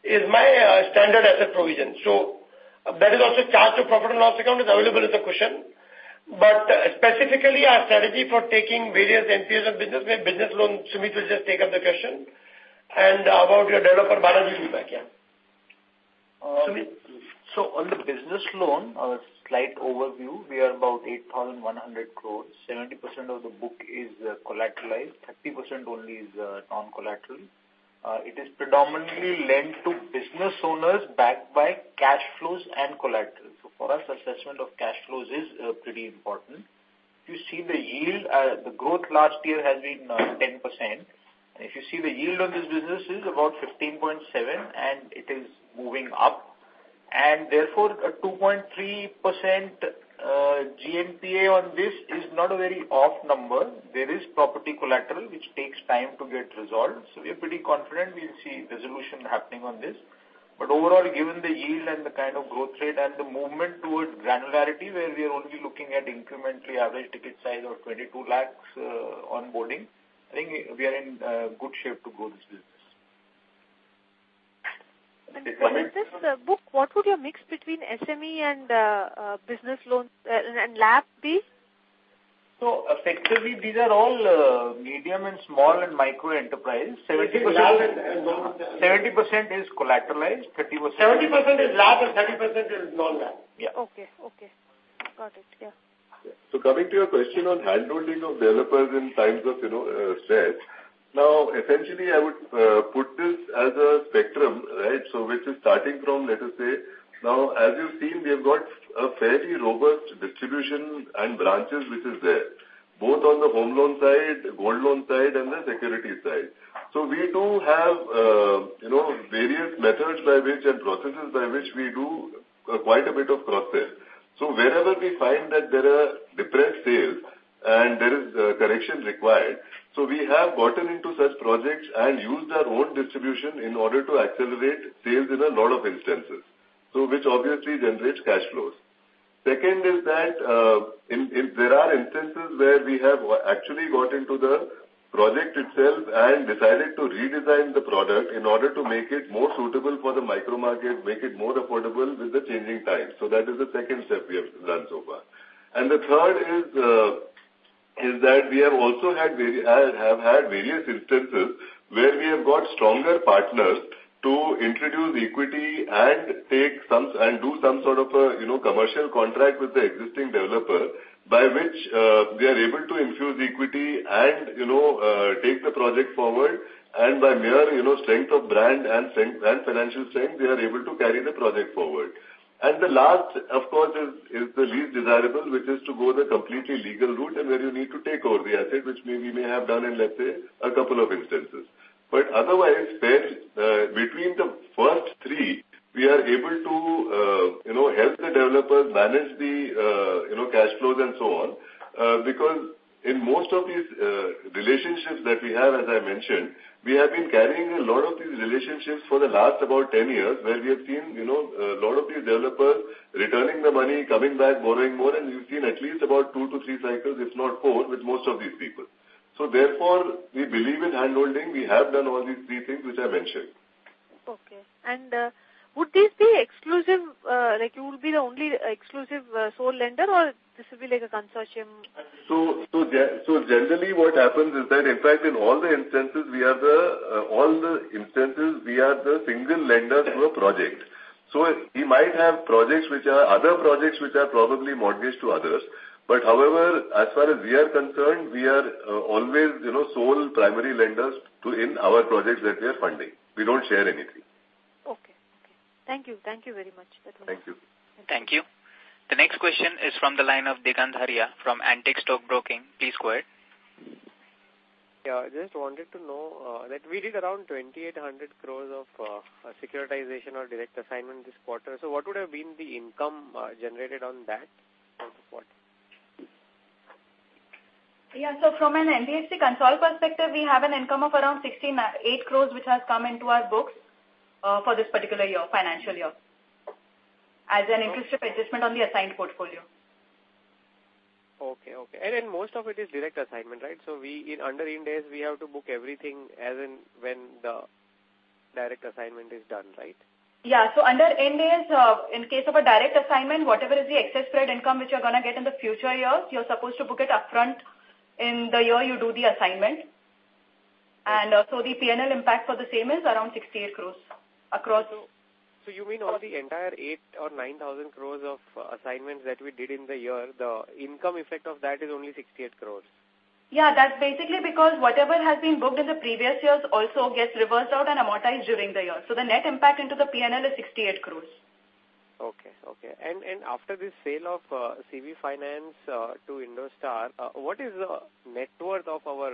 is my standard asset provision. That is also charged to profit and loss account is available as a cushion. Specifically, our strategy for taking various NPAs of business where business loans, Sumit will just take up the question and about your developer, Balaji will back in. On the business loan, a slight overview, we are about 8,100 crore, 70% of the book is collateralized, 30% only is non-collateral. It is predominantly lent to business owners backed by cash flows and collateral. For us, assessment of cash flows is pretty important. If you see the yield, the growth last year has been 10%. If you see the yield on this business is about 15.7% and it is moving up. Therefore, a 2.3% GNPA on this is not a very off number. There is property collateral, which takes time to get resolved. We are pretty confident we will see resolution happening on this. Overall, given the yield and the kind of growth rate and the movement towards granularity, where we are only looking at incrementally average ticket size of 22 lakh onboarding, I think we are in good shape to grow this business. In this book, what would your mix between SME and business loans and LAP be? Effectively, these are all medium and small and micro enterprise. 70% is collateralized, 30%- 70% is LAP and 30% is non-LAP. Yeah. Okay. Got it. Yeah. Coming to your question on handholding of developers in times of stress. Essentially, I would put this as a spectrum, right? As you've seen, we have got a fairly robust distribution and branches, which is there, both on the home loan side, gold loan side, and the securities side. We do have various methods by which and processes by which we do quite a bit of process. Wherever we find that there are depressed sales and there is correction required, we have gotten into such projects and used our own distribution in order to accelerate sales in a lot of instances. Which obviously generates cash flows. Second is, there are instances where we have actually got into the project itself and decided to redesign the product in order to make it more suitable for the micro market, make it more affordable with the changing times. That is the second step we have done so far. The third is that we have also had various instances where we have got stronger partners to introduce equity and do some sort of a commercial contract with the existing developer, by which, we are able to infuse equity and take the project forward. By mere strength of brand and financial strength, we are able to carry the project forward. The last, of course, is the least desirable, which is to go the completely legal route and where you need to take over the asset, which we may have done in, let's say, a couple of instances. Otherwise, between the first three, we are able to help the developer manage the cash flows and so on. Because in most of these relationships that we have, as I mentioned, we have been carrying a lot of these relationships for the last about 10 years, where we have seen a lot of these developers returning the money, coming back, borrowing more, and we've seen at least about two to three cycles, if not four, with most of these people. Therefore, we believe in handholding. We have done all these three things which I've mentioned. Okay. Would this be exclusive, like you would be the only exclusive sole lender or this would be like a consortium? Generally what happens is that, in fact in all the instances, we are the single lender to a project. We might have other projects which are probably mortgaged to others. However, as far as we are concerned, we are always sole primary lenders in our projects that we are funding. We don't share anything. Okay. Thank you very much. Thank you. Thank you. The next question is from the line of Digant Haria from Antique Stock Broking. Please go ahead. I just wanted to know that we did around 2,800 crores of securitization or direct assignment this quarter. What would have been the income generated on that for the quarter? From an NBFC console perspective, we have an income of around 68 crores which has come into our books for this particular financial year as an interest adjustment on the assigned portfolio. Okay. Most of it is direct assignment, right? Under IND AS, we have to book everything as and when the direct assignment is done, right? Under IND AS, in case of a direct assignment, whatever is the excess spread income which you're going to get in the future years, you're supposed to book it upfront in the year you do the assignment. The P&L impact for the same is around 68 crores across. You mean on the entire 8 or 9,000 crores of assignments that we did in the year, the income effect of that is only 68 crores? That's basically because whatever has been booked in the previous years also gets reversed out and amortized during the year. The net impact into the P&L is 68 crores. After this sale of CV Finance to IndoStar, what is the net worth of our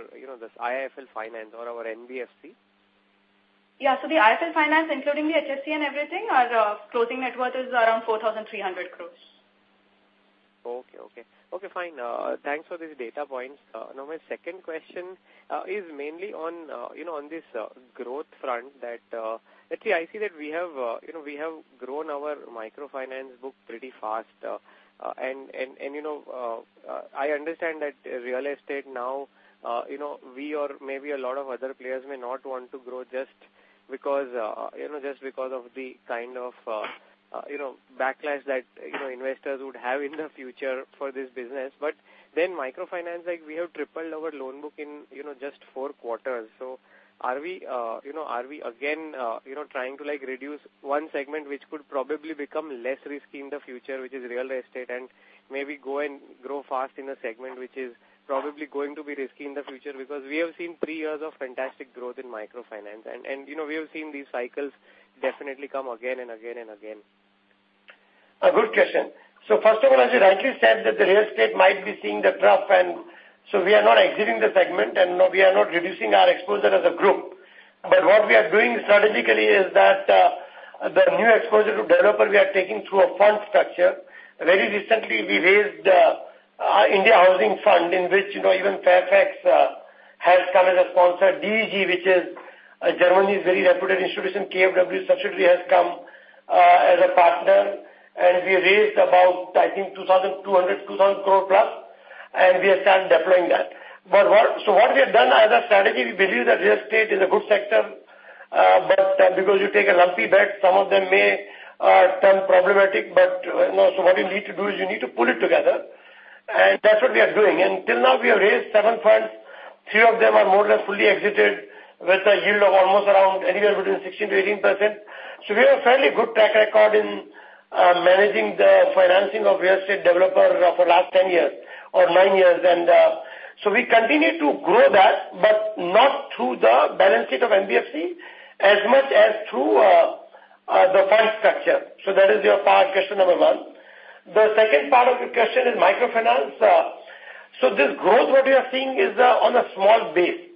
IIFL Finance or our NBFC? The IIFL Finance, including the HFC and everything, our closing net worth is around 4,300 crores. Okay. Fine. Thanks for this data points. My second question is mainly on this growth front that, actually I see that we have grown our microfinance book pretty fast. I understand that real estate now, we or maybe a lot of other players may not want to grow just because of the kind of backlash that investors would have in the future for this business. Microfinance, we have tripled our loan book in just four quarters. Are we again trying to reduce one segment, which could probably become less risky in the future, which is real estate, and maybe go and grow fast in a segment which is probably going to be risky in the future because we have seen three years of fantastic growth in microfinance and we have seen these cycles definitely come again and again and again. A good question. First of all, as you rightly said that the real estate might be seeing the trough, we are not exiting the segment and we are not reducing our exposure as a group. What we are doing strategically is that, the new exposure to developer we are taking through a fund structure. Very recently we raised IIFL Affordable Housing Fund, in which even Fairfax has come as a sponsor. DEG, which is Germany's very reputed institution, KfW subsidiary has come As a partner, we raised about, I think 2,200 crore, 2,000 crore plus, and we have started deploying that. What we have done as a strategy, we believe that real estate is a good sector, but because you take a lumpy bet, some of them may turn problematic. What you need to do is you need to pull it together, and that's what we are doing. Till now, we have raised seven funds. Three of them are more or less fully exited with a yield of almost around anywhere between 16%-18%. We have a fairly good track record in managing the financing of real estate developers for the last 10 years or 9 years. We continue to grow that, but not through the balance sheet of NBFC as much as through the fund structure. That is your part, question number 1. The second part of your question is microfinance. This growth, what we are seeing is on a small base.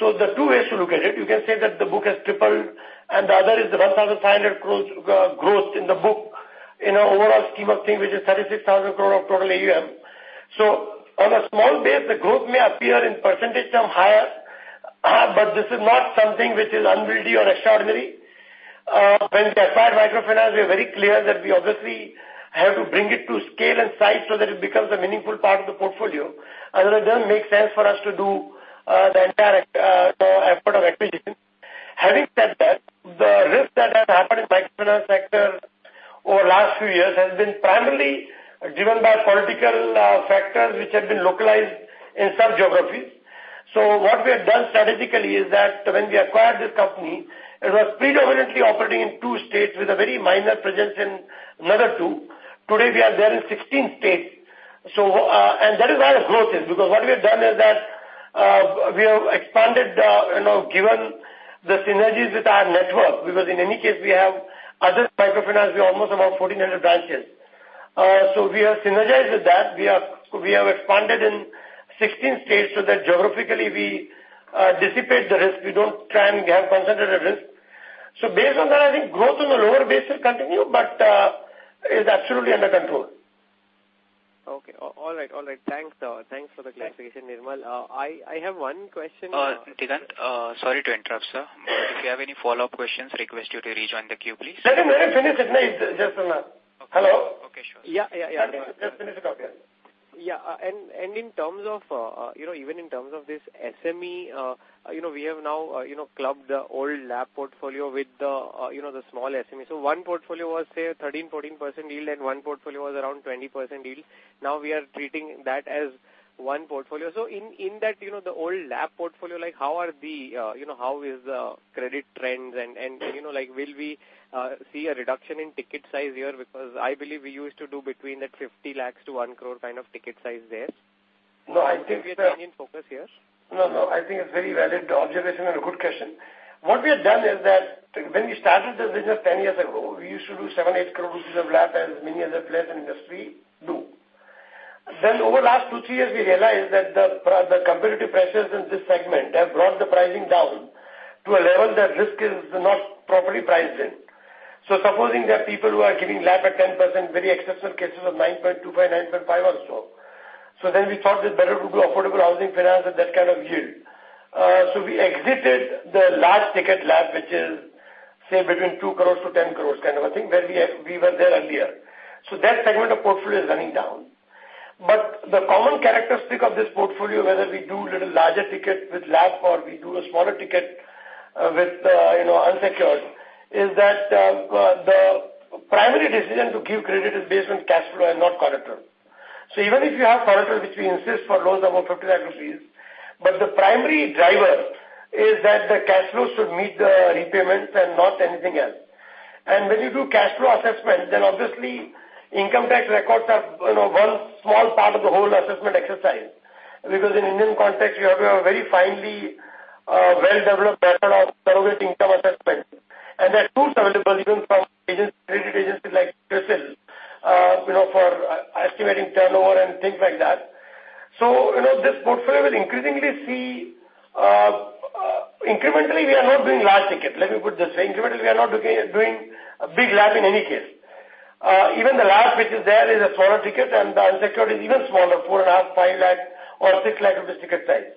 The two ways to look at it, you can say that the book has tripled, and the other is the 1,500 crore growth in the book in our overall scheme of things, which is 36,000 crore of total AUM. On a small base, the growth may appear in percentage term higher, this is not something which is unwieldy or extraordinary. When we acquired microfinance, we are very clear that we obviously have to bring it to scale and size so that it becomes a meaningful part of the portfolio. Otherwise, it doesn't make sense for us to do the entire effort of acquisition. Having said that, the risk that has happened in microfinance sector over last few years has been primarily driven by political factors which have been localized in some geographies. What we have done strategically is that when we acquired this company, it was predominantly operating in two states with a very minor presence in another two. Today, we are there in 16 states. That is where the growth is because what we have done is that we have expanded, given the synergies with our network, because in any case, we have other microfinance, we have almost about 1,400 branches. We have synergized with that. We have expanded in 16 states so that geographically we dissipate the risk. We don't try and have concentrated risk. Based on that, I think growth on the lower base will continue, but it's absolutely under control. Okay. All right. Thanks for the clarification, Nirmal. I have one question- Digant, sorry to interrupt, sir. If you have any follow-up questions, request you to rejoin the queue, please. Let him finish it, just a minute. Hello? Okay, sure. Yeah. Let him finish the topic. Yeah. Even in terms of this SME, we have now clubbed the old LAP portfolio with the small SME. One portfolio was, say, 13%-14% yield, and one portfolio was around 20% yield. Now we are treating that as one portfolio. In that, the old LAP portfolio, how is the credit trends and will we see a reduction in ticket size here? Because I believe we used to do between that 50 lakhs to 1 crore kind of ticket size there. No, I think- Have we changed in focus here? I think it's a very valid observation and a good question. What we have done is that when we started this business 10 years ago, we used to do 7, 8 crores rupees worth of LAP as many other players in industry do. Over the last two, three years, we realized that the competitive pressures in this segment have brought the pricing down to a level that risk is not properly priced in. Supposing there are people who are giving LAP at 10%, very exceptional cases of 9.2%, 9.5% or so. We thought it better to do affordable housing finance at that kind of yield. We exited the large ticket LAP, which is, say, between 2 crores-10 crores kind of a thing where we were there earlier. That segment of portfolio is running down. The common characteristic of this portfolio, whether we do little larger ticket with LAP or we do a smaller ticket with unsecured, is that the primary decision to give credit is based on cash flow and not collateral. Even if you have collateral, which we insist for loans above 50,000 rupees, the primary driver is that the cash flow should meet the repayments and not anything else. When you do cash flow assessment, obviously income tax records are one small part of the whole assessment exercise. In Indian context, you have to have a very finely well-developed method of surrogate income assessment. There are tools available even from credit agencies like CRISIL for estimating turnover and things like that. Incrementally, we are not doing large ticket. Let me put it this way. Incrementally, we are not doing a big LAP in any case. Even the LAP which is there is a smaller ticket, and the unsecured is even smaller, 4.5 lakh, 5 lakh or 6 lakh rupees ticket size.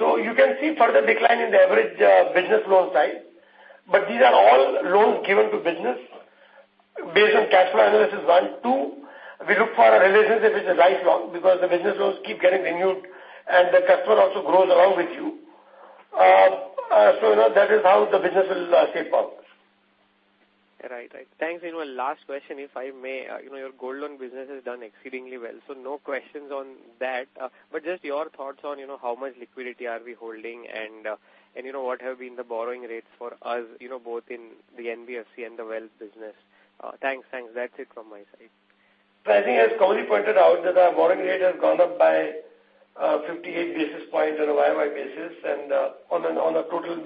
You can see further decline in the average business loan size, but these are all loans given to business based on cash flow analysis, one. Two, we look for a relationship which is lifelong because the business loans keep getting renewed, and the customer also grows along with you. That is how the business will shape up. Right. Thanks, Nirmal. Last question, if I may. Your gold loan business has done exceedingly well, so no questions on that. But just your thoughts on how much liquidity are we holding, and what have been the borrowing rates for us, both in the NBFC and the wealth business. Thanks. That's it from my side. I think as Kaumudi pointed out that our borrowing rate has gone up by 58 basis points on a YOY basis and on a total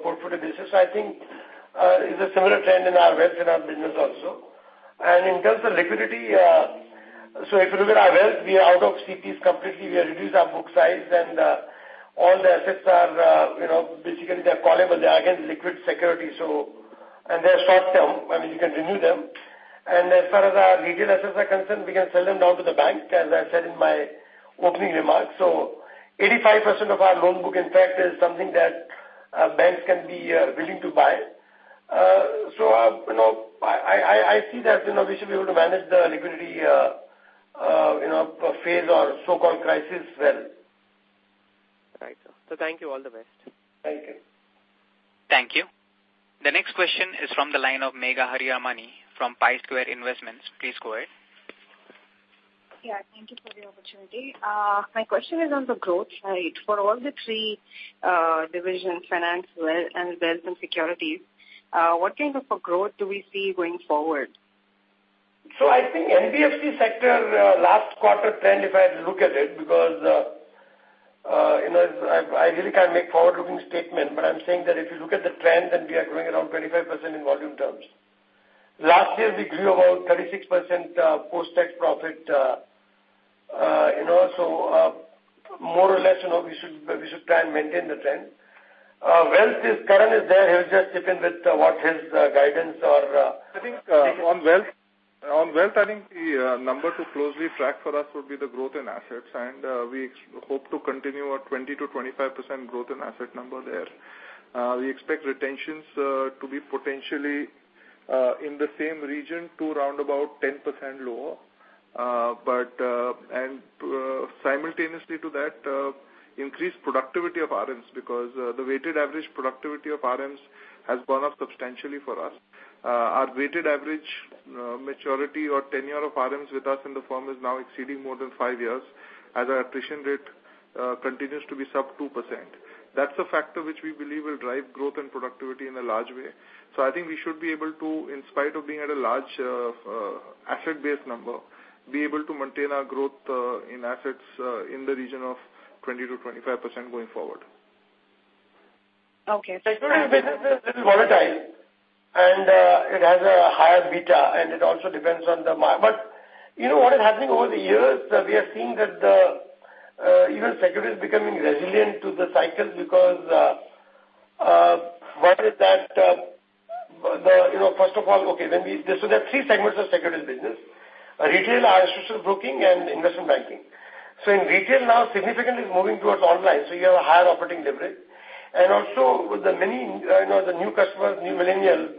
portfolio basis. I think it's a similar trend in our wealth and our business also. In terms of liquidity, if you look at our wealth, we are out of CPs completely. We have reduced our book size and all the assets are basically they're callable, they're again liquid security. And they're short-term, I mean, you can renew them. And as far as our retail assets are concerned, we can sell them down to the bank, as I said in my opening remarks. 85% of our loan book, in fact, is something that banks can be willing to buy. I see that we should be able to manage the liquidity phase or so-called crisis well. Right. Sir. Thank you. All the best. Thank you. Thank you. The next question is from the line of Megha Hariamani from Pi Square Investments. Please go ahead. Yeah. Thank you for the opportunity. My question is on the growth side. For all the three divisions, finance, wealth, and securities, what kind of growth do we see going forward? I think NBFC sector last quarter trend, if I look at it, because I really can't make forward-looking statement, but I'm saying that if you look at the trend, then we are growing around 25% in volume terms. Last year, we grew about 36% post-tax profit. More or less, we should try and maintain the trend. Karan is there. He'll just chip in with what his guidance are. I think on wealth, I think the number to closely track for us would be the growth in assets, and we hope to continue a 20%-25% growth in asset number there. We expect retentions to be potentially in the same region to round about 10% lower. Simultaneously to that, increased productivity of RMs, because the weighted average productivity of RMs has gone up substantially for us. Our weighted average maturity or tenure of RMs with us in the firm is now exceeding more than five years as our attrition rate continues to be sub 2%. That's a factor which we believe will drive growth and productivity in a large way. I think we should be able to, in spite of being at a large asset-based number, be able to maintain our growth in assets in the region of 20%-25% going forward. Okay. Securities business is a little volatile, it has a higher beta, and it also depends on the market. You know what is happening over the years? We are seeing that even securities becoming resilient to the cycles, because what is that? There are three segments of securities business. Retail, institutional broking, and investment banking. In retail now, significant is moving towards online, so you have a higher operating leverage. Also with the new customers, new millennials,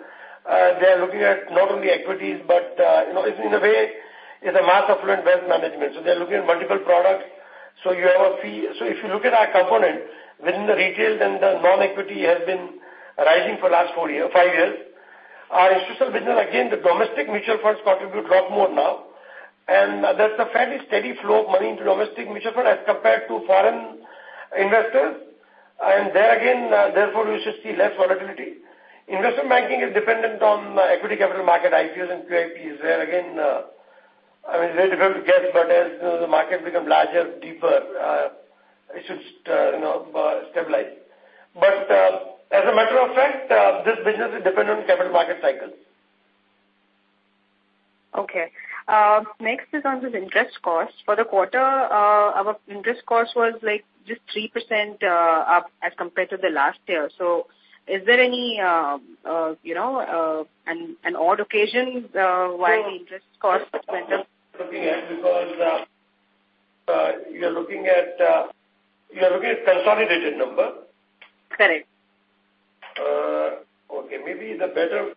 they're looking at not only equities, but in a way, is a mass affluent wealth management. They're looking at multiple products. If you look at our component within the retail, then the non-equity has been rising for the last five years. Our institutional business, again, the domestic mutual funds contribute lot more now and there's a fairly steady flow of money into domestic mutual funds as compared to foreign investors. There again, therefore, we should see less volatility. Investment banking is dependent on equity capital market, IPOs and QIPs. There again, it's very difficult to guess, as the market become larger, deeper, it should stabilize. As a matter of fact, this business is dependent on capital market cycle. Next is on this interest cost. For the quarter, our interest cost was just 3% up as compared to the last year. Is there any odd occasion why the interest cost went up? Because you're looking at consolidated number. Correct. Maybe the better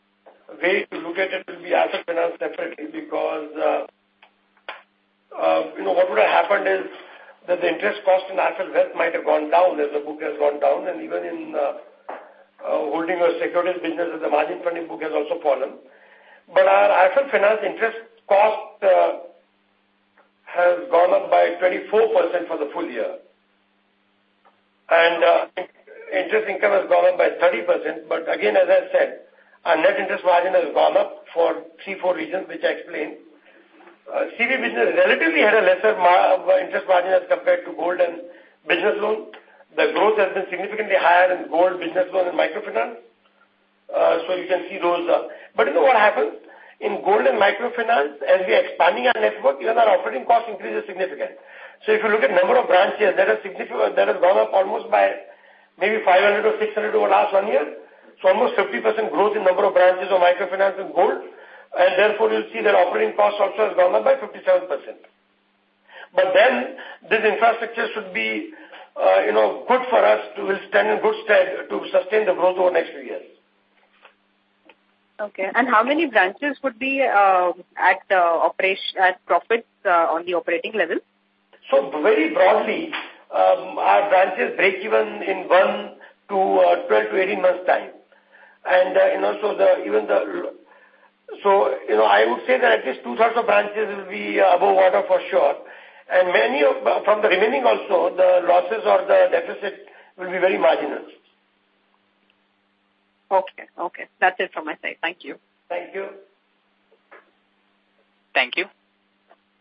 way to look at it will be Asset Finance separately because what would have happened is that the interest cost in IIFL Wealth might have gone down as the book has gone down, and even in holding our securities business as the margin funding book has also fallen. Our IIFL Finance interest cost has gone up by 24% for the full year. Interest income has gone up by 30%. Again, as I said, our net interest margin has gone up for three, four reasons, which I explained. CV business relatively had a lesser interest margin as compared to gold and business loans. The growth has been significantly higher in gold business loans and microfinance. You can see those. You know what happened? In gold and microfinance, as we're expanding our network, even our operating cost increases significantly. If you look at number of branches, that has gone up almost by maybe 500 or 600 over last one year. Almost 50% growth in number of branches of microfinance and gold. Therefore, you'll see their operating cost also has gone up by 57%. This infrastructure should be good for us to sustain the growth over the next few years. How many branches would be at profits on the operating level? Very broadly, our branches break even in one to 12 to 18 months time. I would say that at least two-thirds of branches will be above water for sure. From the remaining also, the losses or the deficit will be very marginal. Okay. That's it from my side. Thank you. Thank you. Thank you.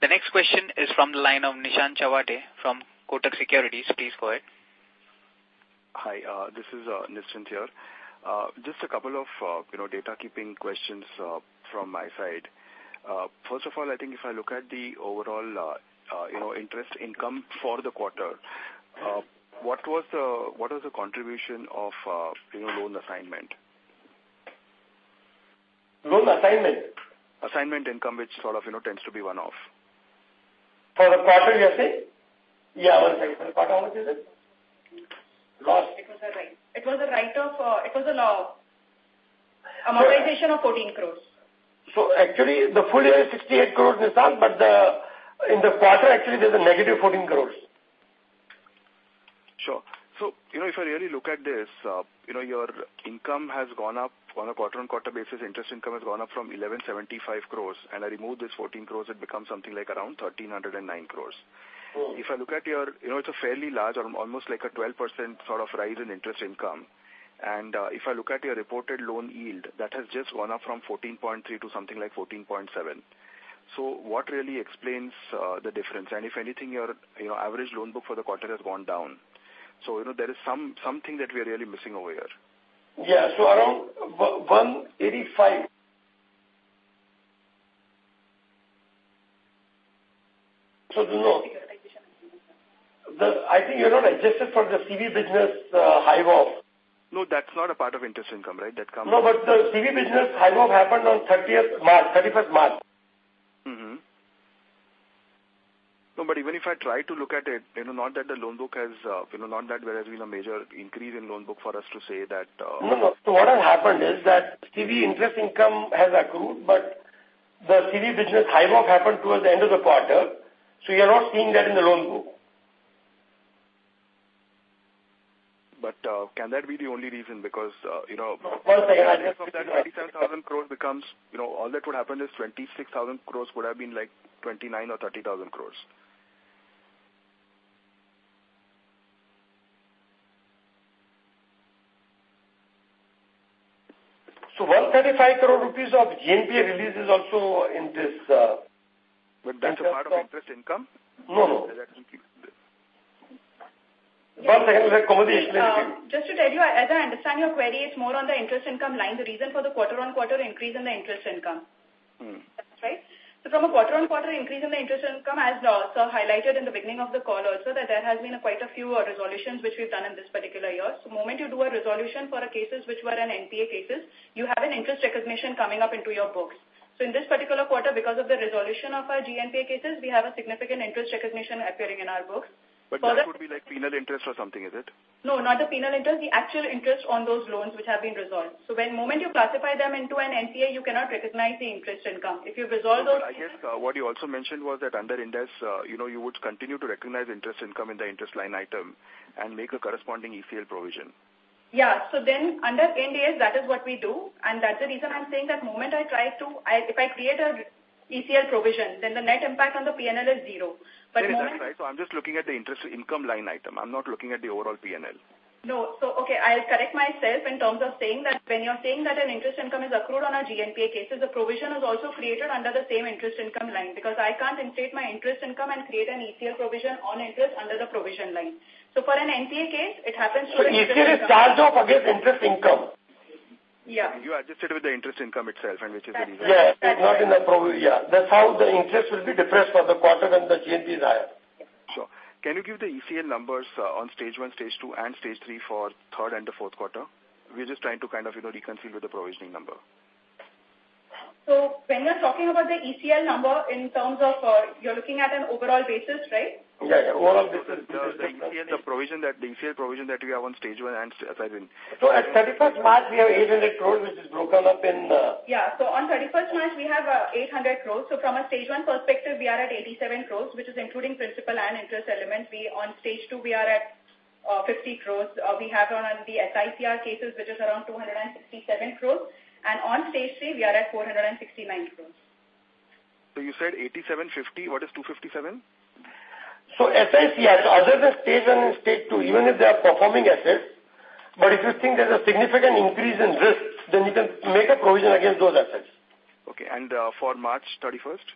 The next question is from the line of Nishant Chawade from Kotak Securities. Please go ahead. Hi, this is Nishant here. Just a couple of data-keeping questions from my side. First of all, I think if I look at the overall interest income for the quarter. What was the contribution of loan assignment? Loan assignment? Assignment income, which sort of tends to be one-off. For the quarter, you're saying? Yeah, one second. For the quarter, how much is it? It was a write-off. It was an amortization of 14 crores. Actually the full year is 68 crores, Nishant, in the quarter, actually, there is a negative 14 crores. Sure. If I really look at this, your income has gone up on a quarter-on-quarter basis. Interest income has gone up from 1,175 crores, I remove this 14 crores, it becomes something like around 1,309 crores. Correct. It is a fairly large, almost like a 12% sort of rise in interest income. If I look at your reported loan yield, that has just gone up from 14.3% to something like 14.7%. What really explains the difference? If anything, your average loan book for the quarter has gone down. There is something that we are really missing over here. Yeah. Around 185. I think you are not adjusted for the CV business hive off. That's not a part of interest income, right? That comes The CV business hive off happened on 31st March. Even if I try to look at it, not that there has been a major increase in loan book for us to say that What has happened is that CV interest income has accrued, but the CV business hive off happened towards the end of the quarter, so you're not seeing that in the loan book. Can that be the only reason? One second. Of that 27,000 crore becomes, all that would happen is 26,000 crore would have been like 29,000 crore or INR 30,000 crore. 135 crore rupees of GNPA releases. That's a part of interest income? No, no. Just to tell you, as I understand your query, it's more on the interest income line, the reason for the quarter-on-quarter increase in the interest income. Right? From a quarter-on-quarter increase in the interest income, as also highlighted in the beginning of the call also, that there has been quite a few resolutions which we've done in this particular year. The moment you do a resolution for cases which were in NPA cases, you have an interest recognition coming up into your books. In this particular quarter, because of the resolution of our GNPA cases, we have a significant interest recognition appearing in our books. That would be like penal interest or something, is it? No, not the penal interest. The actual interest on those loans which have been resolved. The moment you classify them into an NPA, you cannot recognize the interest income. I guess what you also mentioned was that under Ind AS, you would continue to recognize interest income in the interest line item and make a corresponding ECL provision. Yeah. Under Ind AS, that is what we do. That's the reason I'm saying that if I create an ECL provision, then the net impact on the P&L is zero. That's right. I'm just looking at the interest income line item. I'm not looking at the overall P&L. No. Okay, I'll correct myself in terms of saying that when you're saying that an interest income is accrued on our GNPA cases, a provision is also created under the same interest income line because I can't instate my interest income and create an ECL provision on interest under the provision line. For an NPA case, it happens. ECL is charged off against interest income. Yeah. You adjusted with the interest income itself which is the reason. That's right. Yeah. That's how the interest will be depressed for the quarter when the GNPA is higher. Sure. Can you give the ECL numbers on stage 1, stage 2, and stage 3 for third and the fourth quarter? We're just trying to kind of reconcile with the provisioning number. When you're talking about the ECL number in terms of, you're looking at an overall basis, right? Yeah. Overall basis. The ECL provision that we have on stage 1 and as I mean. At 31st March, we have 800 crores, which is broken up. Yeah. On 31st March, we have 800 crores. From a stage 1 perspective, we are at 87 crores, which is including principal and interest element. On stage 2, we are at 50 crores. We have on the SICR cases, which is around 267 crores. On stage 3, we are at 469 crores. you said 87, 50. What is 257? SICR. Other than stage 1 and stage 2, even if they are performing assets, but if you think there's a significant increase in risk, then you can make a provision against those assets. Okay. For March 31st?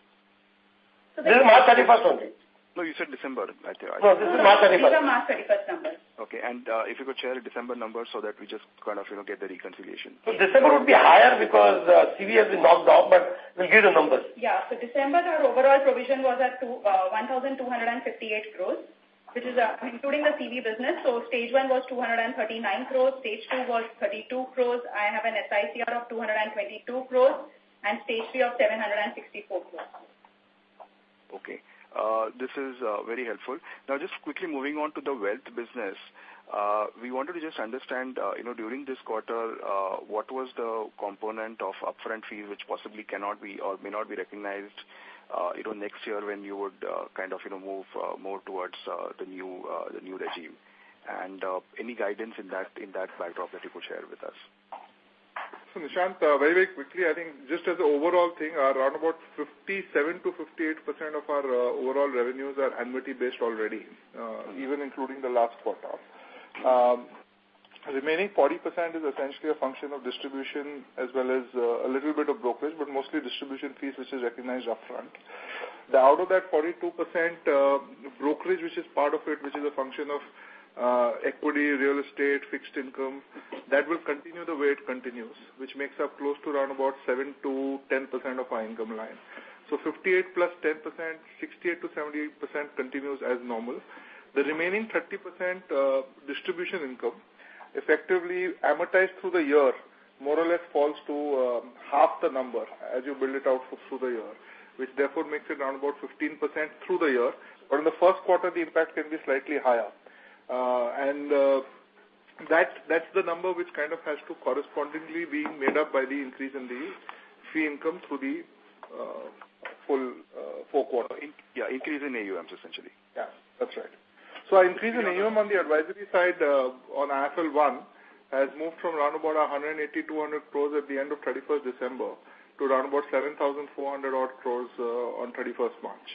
This is March 31st only. No, you said December. No, this is March 31st. These are March 31st numbers. Okay. If you could share a December number so that we just kind of get the reconciliation. December would be higher because CV has been knocked off, but we will give the numbers. December, our overall provision was at 1,258 crores, which is including the CV business. Stage 1 was 239 crores, stage 2 was 32 crores. I have an SICR of 222 crores and stage 3 of 764 crores. Okay. This is very helpful. Just quickly moving on to the wealth business. We wanted to just understand, during this quarter, what was the component of upfront fees which possibly cannot be or may not be recognized next year when you would kind of move more towards the new regime? Any guidance in that backdrop that you could share with us? Nishant, very, very quickly, I think just as an overall thing, around about 57%-58% of our overall revenues are annuity-based already, even including the last quarter. Remaining 40% is essentially a function of distribution as well as a little bit of brokerage, but mostly distribution fees, which is recognized upfront. Out of that 42%, brokerage, which is part of it, which is a function of Equity, real estate, fixed income, that will continue the way it continues, which makes up close to around about 7%-10% of our income line. 58% plus 10%, 68%-78% continues as normal. The remaining 30% distribution income effectively amortized through the year, more or less falls to half the number as you build it out through the year, which therefore makes it around about 15% through the year. In the first quarter, the impact can be slightly higher. That's the number which kind of has to correspondingly be made up by the increase in the fee income through the full fourth quarter. Increase. Yeah, increase in AUMs, essentially. Yeah, that's right. Our increase in AUM on the advisory side on 360 ONE has moved from around about 180 crore, 200 crore at the end of 31st December to around about 7,400 crore odd on 31st March.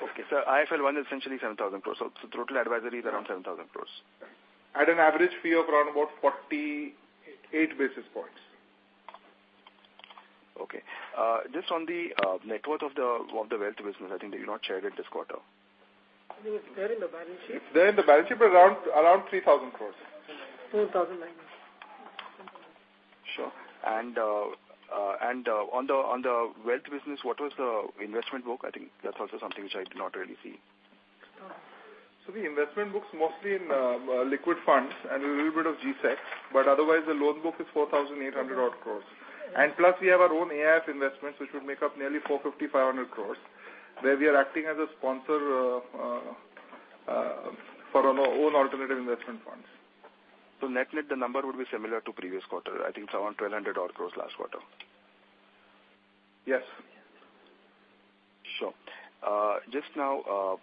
Okay. 360 ONE is essentially 7,000 crores. Total advisory is around 7,000 crores. At an average fee of around about 48 basis points. Okay. Just on the net worth of the wealth business, I think you've not shared it this quarter. It is there in the balance sheet. There in the balance sheet, around 3,000 crores. 4,900. Sure. On the Wealth Business, what was the investment book? I think that's also something which I did not really see. The investment book's mostly in liquid funds and a little bit of G-Sec, but otherwise the loan book is 4,800 odd crores. Plus we have our own AIF investments, which would make up nearly 450-500 crores, where we are acting as a sponsor for our own alternative investment funds. Net-net the number would be similar to previous quarter, I think it's around 1,200 odd crores last quarter. Yes. Sure. Just now,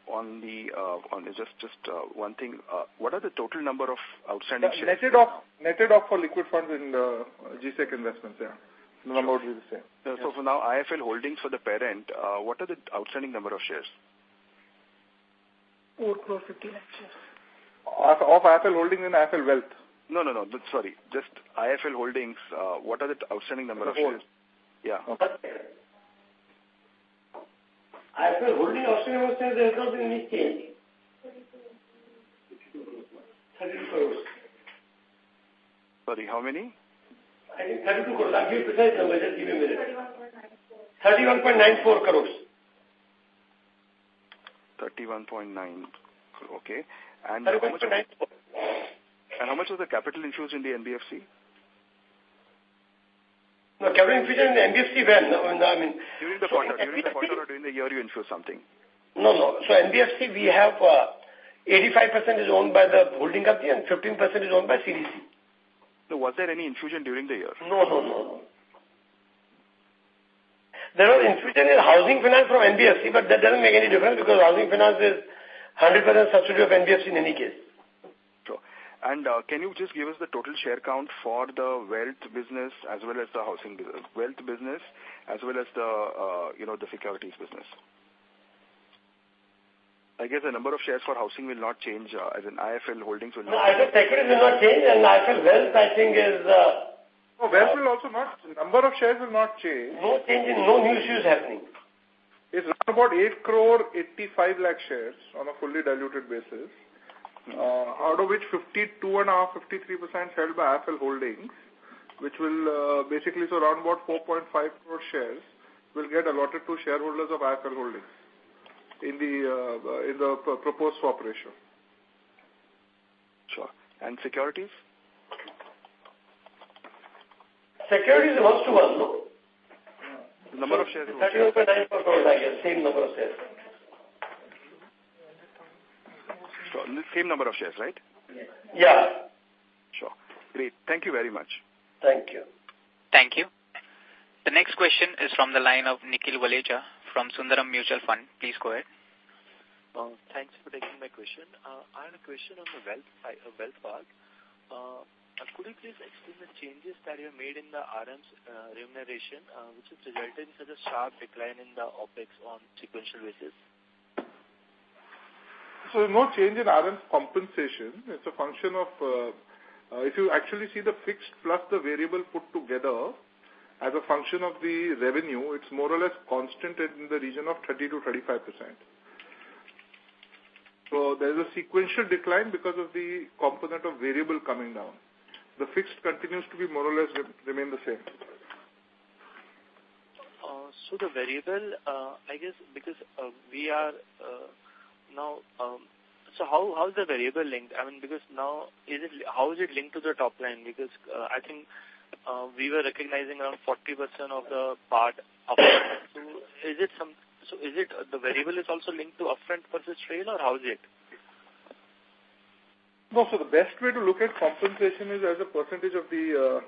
just one thing. What are the total number of outstanding shares? Netted off for liquid funds in the G-Sec investments, yeah. The number would be the same. For now, IIFL Holdings for the parent, what are the outstanding number of shares? 4.5 crore shares. Of IIFL Holdings and IIFL Wealth? No, sorry. Just IIFL Holdings. What are the outstanding number of shares? Of Holdings. Yeah. Of that parent. IIFL Holdings outstanding shares has not been changed. 32. 32 crores. Sorry, how many? I think 32 crores. I'll give you precise number, just give me a minute. 31.94. 31.94 crores. 31.94. Okay. 31.94. How much was the capital infused in the NBFC? No capital infusion in the NBFC went During the quarter or during the year you infused something? No. NBFC, we have 85% is owned by the holding company and 15% is owned by CDC. No, was there any infusion during the year? No. There was infusion in housing finance from NBFC, but that doesn't make any difference because housing finance is 100% substitute of NBFC in any case. Sure. Can you just give us the total share count for the wealth business as well as the securities business? I guess the number of shares for housing will not change as in IIFL Holdings will not- No, IIFL Securities will not change and IIFL Wealth I think is- No, Wealth will also not, number of shares will not change. No change in, no new issues happening. It's around about 8.85 crore shares on a fully diluted basis. Out of which 52.5%-53% held by IIFL Holdings, which will basically is around about 4.5 crore shares will get allotted to shareholders of IIFL Holdings in the proposed corporate action. Sure. Securities? Securities is 1 to 1 no? Number of shares will. 31.94 crores I guess, same number of shares. Same number of shares, right? Yes. Sure. Great. Thank you very much. Thank you. Thank you. The next question is from the line of Nikhil Walecha from Sundaram Mutual Fund. Please go ahead. Thanks for taking my question. I had a question on the wealth part. Could you please explain the changes that you have made in the RM's remuneration, which has resulted into the sharp decline in the OpEx on sequential basis? No change in RM's compensation. It's a function of, if you actually see the fixed plus the variable put together as a function of the revenue, it's more or less constant in the region of 30%-35%. There's a sequential decline because of the component of variable coming down. The fixed continues to be more or less remain the same. The variable, I guess, how is the variable linked? How is it linked to the top line? I think we were recognizing around 40% of the part upfront. Is it the variable is also linked to upfront purchase trail or how is it? No. The best way to look at compensation is as a percentage of the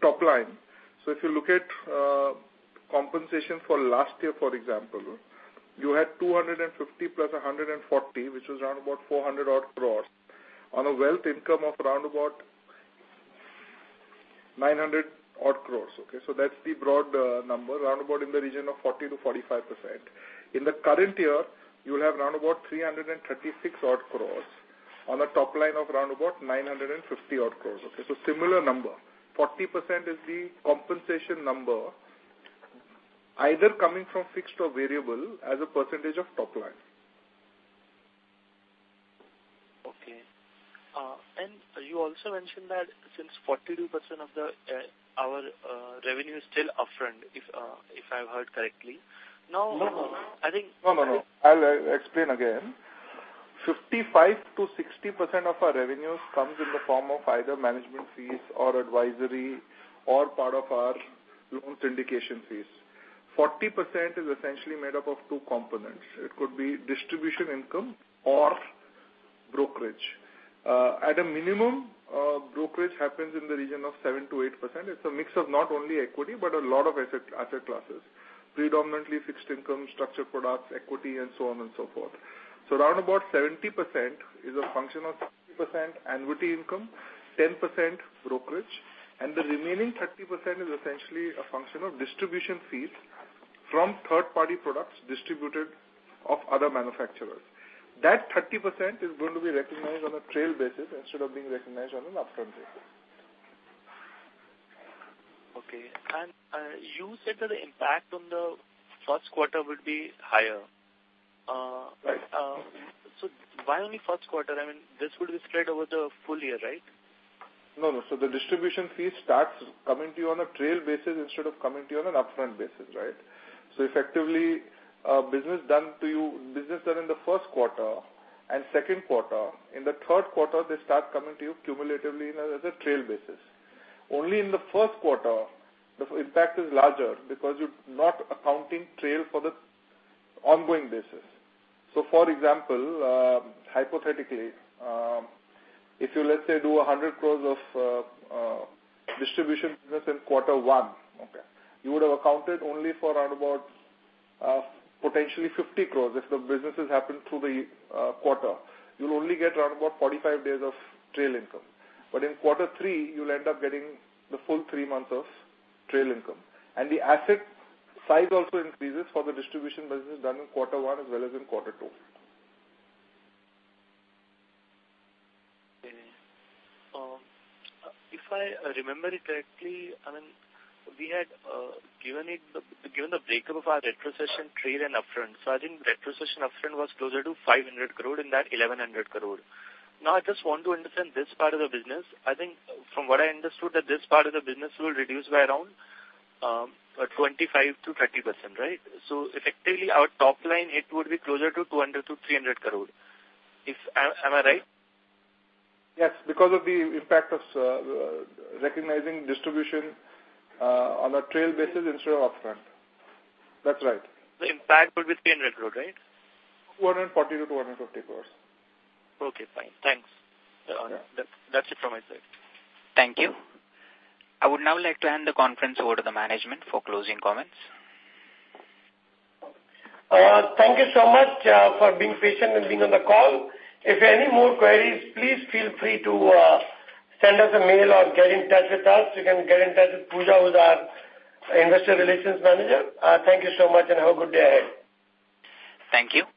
top line. If you look at compensation for last year, for example, you had 250 plus 140, which was around about 400 odd crores on a wealth income of around about 900 odd crores. Okay, that's the broad number, around about in the region of 40%-45%. In the current year, you'll have around about 336 odd crores on a top line of around about 950 odd crores. Okay, similar number. 40% is the compensation number. Either coming from fixed or variable as a percentage of top line. Okay. You also mentioned that since 42% of our revenue is still upfront, if I've heard correctly. No. I think- I'll explain again. 55%-60% of our revenues comes in the form of either management fees or advisory or part of our loan syndication fees. 40% is essentially made up of two components. It could be distribution income or brokerage. At a minimum, brokerage happens in the region of 7%-8%. It's a mix of not only equity, but a lot of asset classes, predominantly fixed income, structured products, equity, and so on and so forth. Round about 70% is a function of 30% annuity income, 10% brokerage, and the remaining 30% is essentially a function of distribution fees from third-party products distributed of other manufacturers. That 30% is going to be recognized on a trail basis instead of being recognized on an upfront basis. You said that the impact on the first quarter would be higher. Right. Why only first quarter? This would be spread over the full year, right? The distribution fee starts coming to you on a trail basis instead of coming to you on an upfront basis, right? Effectively, business done in the first quarter and second quarter, in the third quarter, they start coming to you cumulatively as a trail basis. Only in the first quarter, the impact is larger because you're not accounting trail for the ongoing basis. For example, hypothetically, if you let's say do 100 crores of distribution business in quarter one, okay, you would have accounted only for round about potentially 50 crores if the business has happened through the quarter. You'll only get around about 45 days of trail income. But in quarter three, you'll end up getting the full 3 months of trail income. And the asset size also increases for the distribution business done in quarter one as well as in quarter two. Okay. If I remember it correctly, we had given the breakup of our retrocession trail and upfront. I think retrocession upfront was closer to 500 crore in that 1,100 crore. I just want to understand this part of the business. I think from what I understood that this part of the business will reduce by around 25%-30%, right? Effectively, our top line hit would be closer to 200 crore-300 crore. Am I right? Yes. Because of the impact of recognizing distribution on a trail basis instead of upfront. That's right. The impact would be 300 crore, right? 240 crore-INR 250 crore. Okay, fine. Thanks. Yeah. That's it from my side. Thank you. I would now like to hand the conference over to the management for closing comments. Thank you so much for being patient and being on the call. If you have any more queries, please feel free to send us a mail or get in touch with us. You can get in touch with Puja, who's our investor relations manager. Thank you so much and have a good day ahead. Thank you.